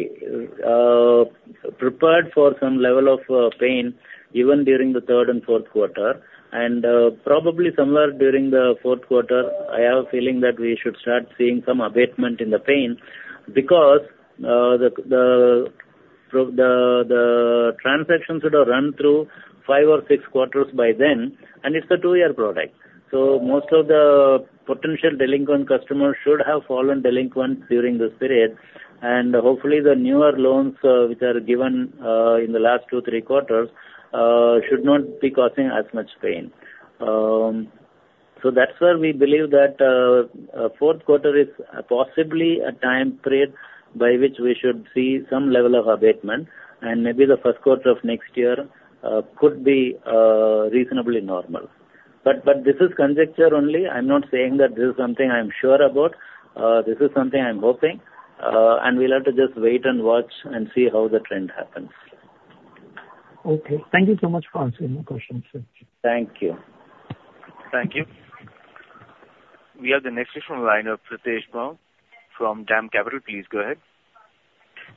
prepared for some level of pain even during the third and fourth quarter. And probably somewhere during the fourth quarter, I have a feeling that we should start seeing some abatement in the pain because the transactions should have run through five or six quarters by then. And it's a two-year product. So most of the potential delinquent customers should have fallen delinquent during this period. And hopefully, the newer loans which are given in the last two, three quarters should not be causing as much pain. So that's where we believe that fourth quarter is possibly a time period by which we should see some level of abatement. And maybe the first quarter of next year could be reasonably normal. But this is conjecture only. I'm not saying that this is something I'm sure about. This is something I'm hoping. And we'll have to just wait and watch and see how the trend happens. Okay. Thank you so much for answering my questions, sir. Thank you. Thank you. We have the next question on the line of Pritesh Bumb from DAM Capital. Please go ahead.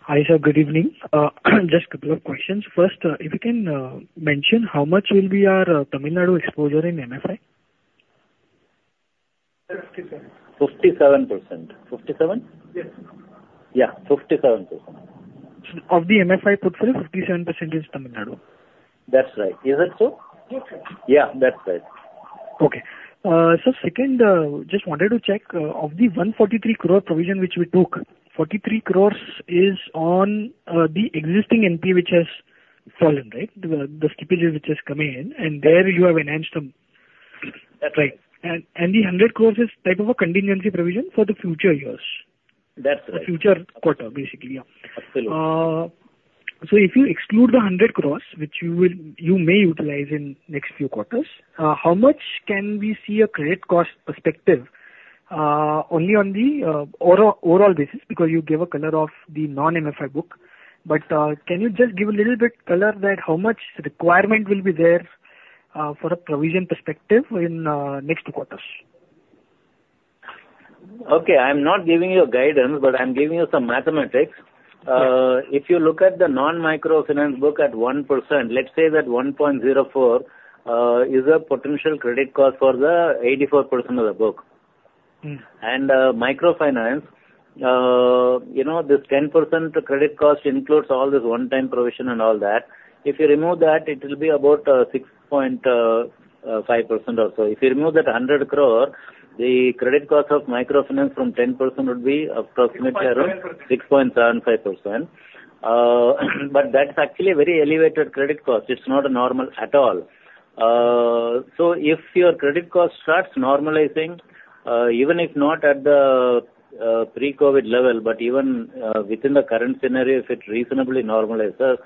Hi, sir. Good evening. Just a couple of questions. First, if you can mention how much will be our Tamil Nadu exposure in MFI? 57%. 57%? Yes. Yeah. 57%. Of the MFI portfolio, 57% is Tamil Nadu. That's right. Is it so? Yes, sir. Yeah. That's right. Okay. So second, just wanted to check, of the 143 crore provision which we took, 43 crores is on the existing NPA which has fallen, right? The slippages which has come in. And there you have enhanced them. That's right. The 100 crore is type of a contingency provision for the future years. That's right. The future quarter, basically. Absolutely. So if you exclude the 100 crores, which you may utilize in next few quarters, how much can we see a credit cost perspective only on the overall basis? Because you gave a color of the non-MFI book. But can you just give a little bit color that how much requirement will be there for a provision perspective in next two quarters? Okay. I'm not giving you a guidance, but I'm giving you some mathematics. If you look at the non-microfinance book at 1%, let's say that 1.04% is a potential credit cost for the 84% of the book, and microfinance, this 10% credit cost includes all this one-time provision and all that. If you remove that, it will be about 6.5% or so. If you remove that 100 crore, the credit cost of microfinance from 10% would be approximately around 6.75%. but that's actually a very elevated credit cost. It's not normal at all. So if your credit cost starts normalizing, even if not at the pre-COVID level, but even within the current scenario, if it reasonably normalizes,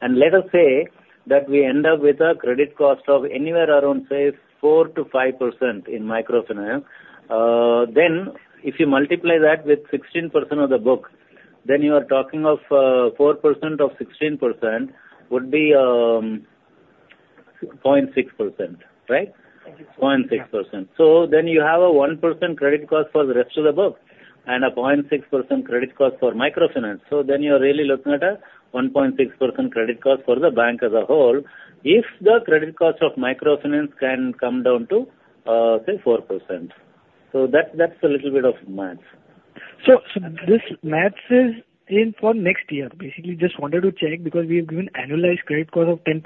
and let us say that we end up with a credit cost of anywhere around, say, 4%-5% in microfinance, then if you multiply that with 16% of the book, then you are talking of 4% of 16% would be 0.6%, right? 0.6%. 0.6%. So then you have a 1% credit cost for the rest of the book and a 0.6% credit cost for microfinance. So then you're really looking at a 1.6% credit cost for the bank as a whole if the credit cost of microfinance can come down to, say, 4%. So that's a little bit of math. So, this math isn't for next year. Basically, just wanted to check because we have given annualized credit cost of 10%.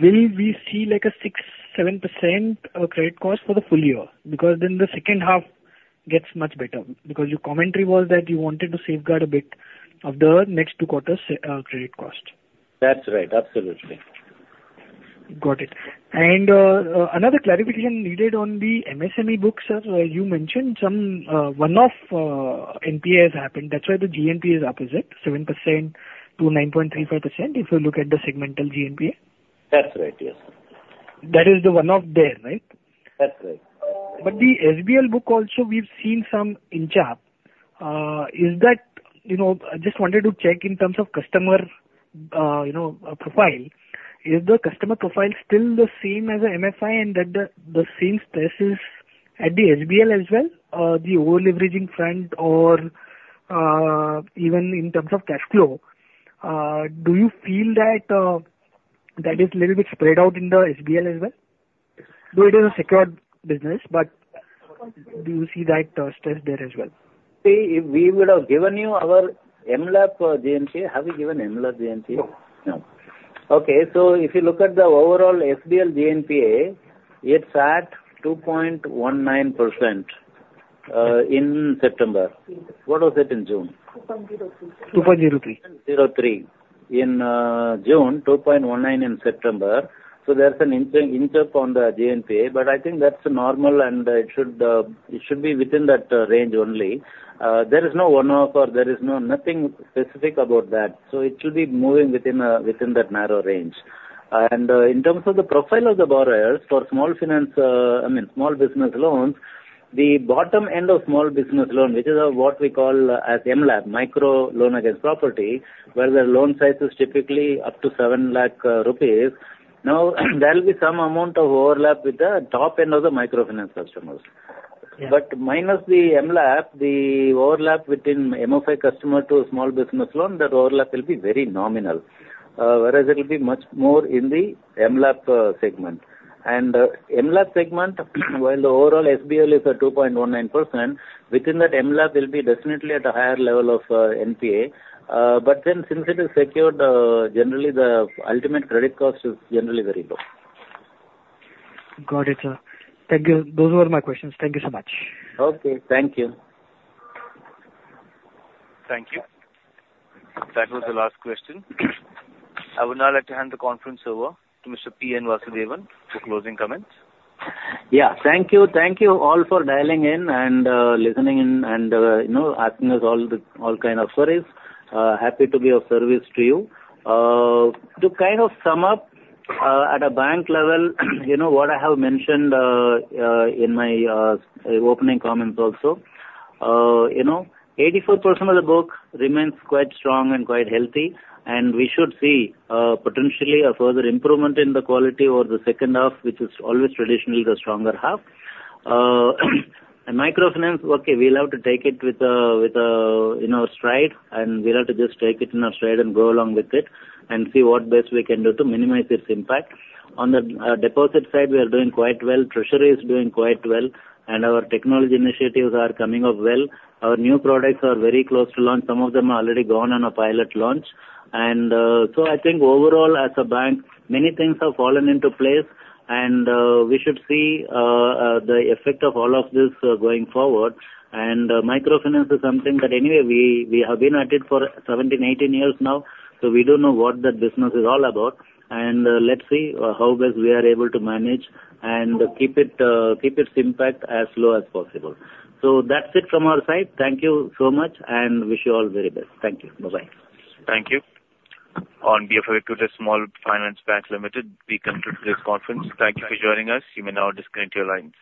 Will we see like a 6-7% credit cost for the full year? Because then the second half gets much better. Because your commentary was that you wanted to safeguard a bit of the next two quarters' credit cost. That's right. Absolutely. Got it. And another clarification needed on the MSME book, sir. You mentioned some one-off NPA has happened. That's why the GNPA is opposite, 7%-9.35% if you look at the segmental GNPA. That's right. Yes, sir. That is the one-off there, right? That's right. But the SBL book also, we've seen some inching up. Is that, I just wanted to check in terms of customer profile, is the customer profile still the same as the MFI? And that the same stress is at the SBL as well, the over-leveraging front, or even in terms of cash flow? Do you feel that that is a little bit spread out in the SBL as well? Yes. Though it is a secured business, but do you see that stress there as well? See, if we would have given you our MLAP GNPA, have we given MLAP GNPA? No. No. Okay. So if you look at the overall SBL GNPA, it sat 2.19% in September. What was it in June? 2.03. 2.03. In June, 2.19 in September. So there's an inch up on the GNPA, but I think that's normal and it should be within that range only. There is no one-off or there is nothing specific about that. So it should be moving within that narrow range. And in terms of the profile of the borrowers for small finance, I mean, small business loans, the bottom end of small business loan, which is what we call as MLAP, micro loan against property, where the loan size is typically up to 7 lakhs rupees. Now, there will be some amount of overlap with the top end of the microfinance customers. But minus the MLAP, the overlap within MF customer to small business loan, that overlap will be very nominal. Whereas it will be much more in the MLAP segment. MLAP segment, while the overall SBL is 2.19%, within that MLAP, it will be definitely at a higher level of NPA. But then since it is secured, generally the ultimate credit cost is generally very low. Got it, sir. Thank you. Those were my questions. Thank you so much. Okay. Thank you. Thank you. That was the last question. I would now like to hand the conference over to Mr. P. N. Vasudevan for closing comments. Yeah. Thank you. Thank you all for dialing in and listening in and asking us all kinds of queries. Happy to be of service to you. To kind of sum up at a bank level what I have mentioned in my opening comments also, 84% of the book remains quite strong and quite healthy. And we should see potentially a further improvement in the quality or the second half, which is always traditionally the stronger half. And microfinance, okay, we'll have to take it with our stride. And we'll have to just take it in our stride and go along with it and see what best we can do to minimize its impact. On the deposit side, we are doing quite well. Treasury is doing quite well. And our technology initiatives are coming up well. Our new products are very close to launch. Some of them are already gone on a pilot launch, and so I think overall, as a bank, many things have fallen into place, and we should see the effect of all of this going forward, and microfinance is something that anyway, we have been at it for 17, 18 years now, so we do know what that business is all about, and let's see how best we are able to manage and keep its impact as low as possible, so that's it from our side. Thank you so much, and wish you all the very best. Thank you. Bye-bye. Thank you. On behalf of Equitas Small Finance Bank Limited, we come to today's conference. Thank you for joining us. You may now disconnect your lines.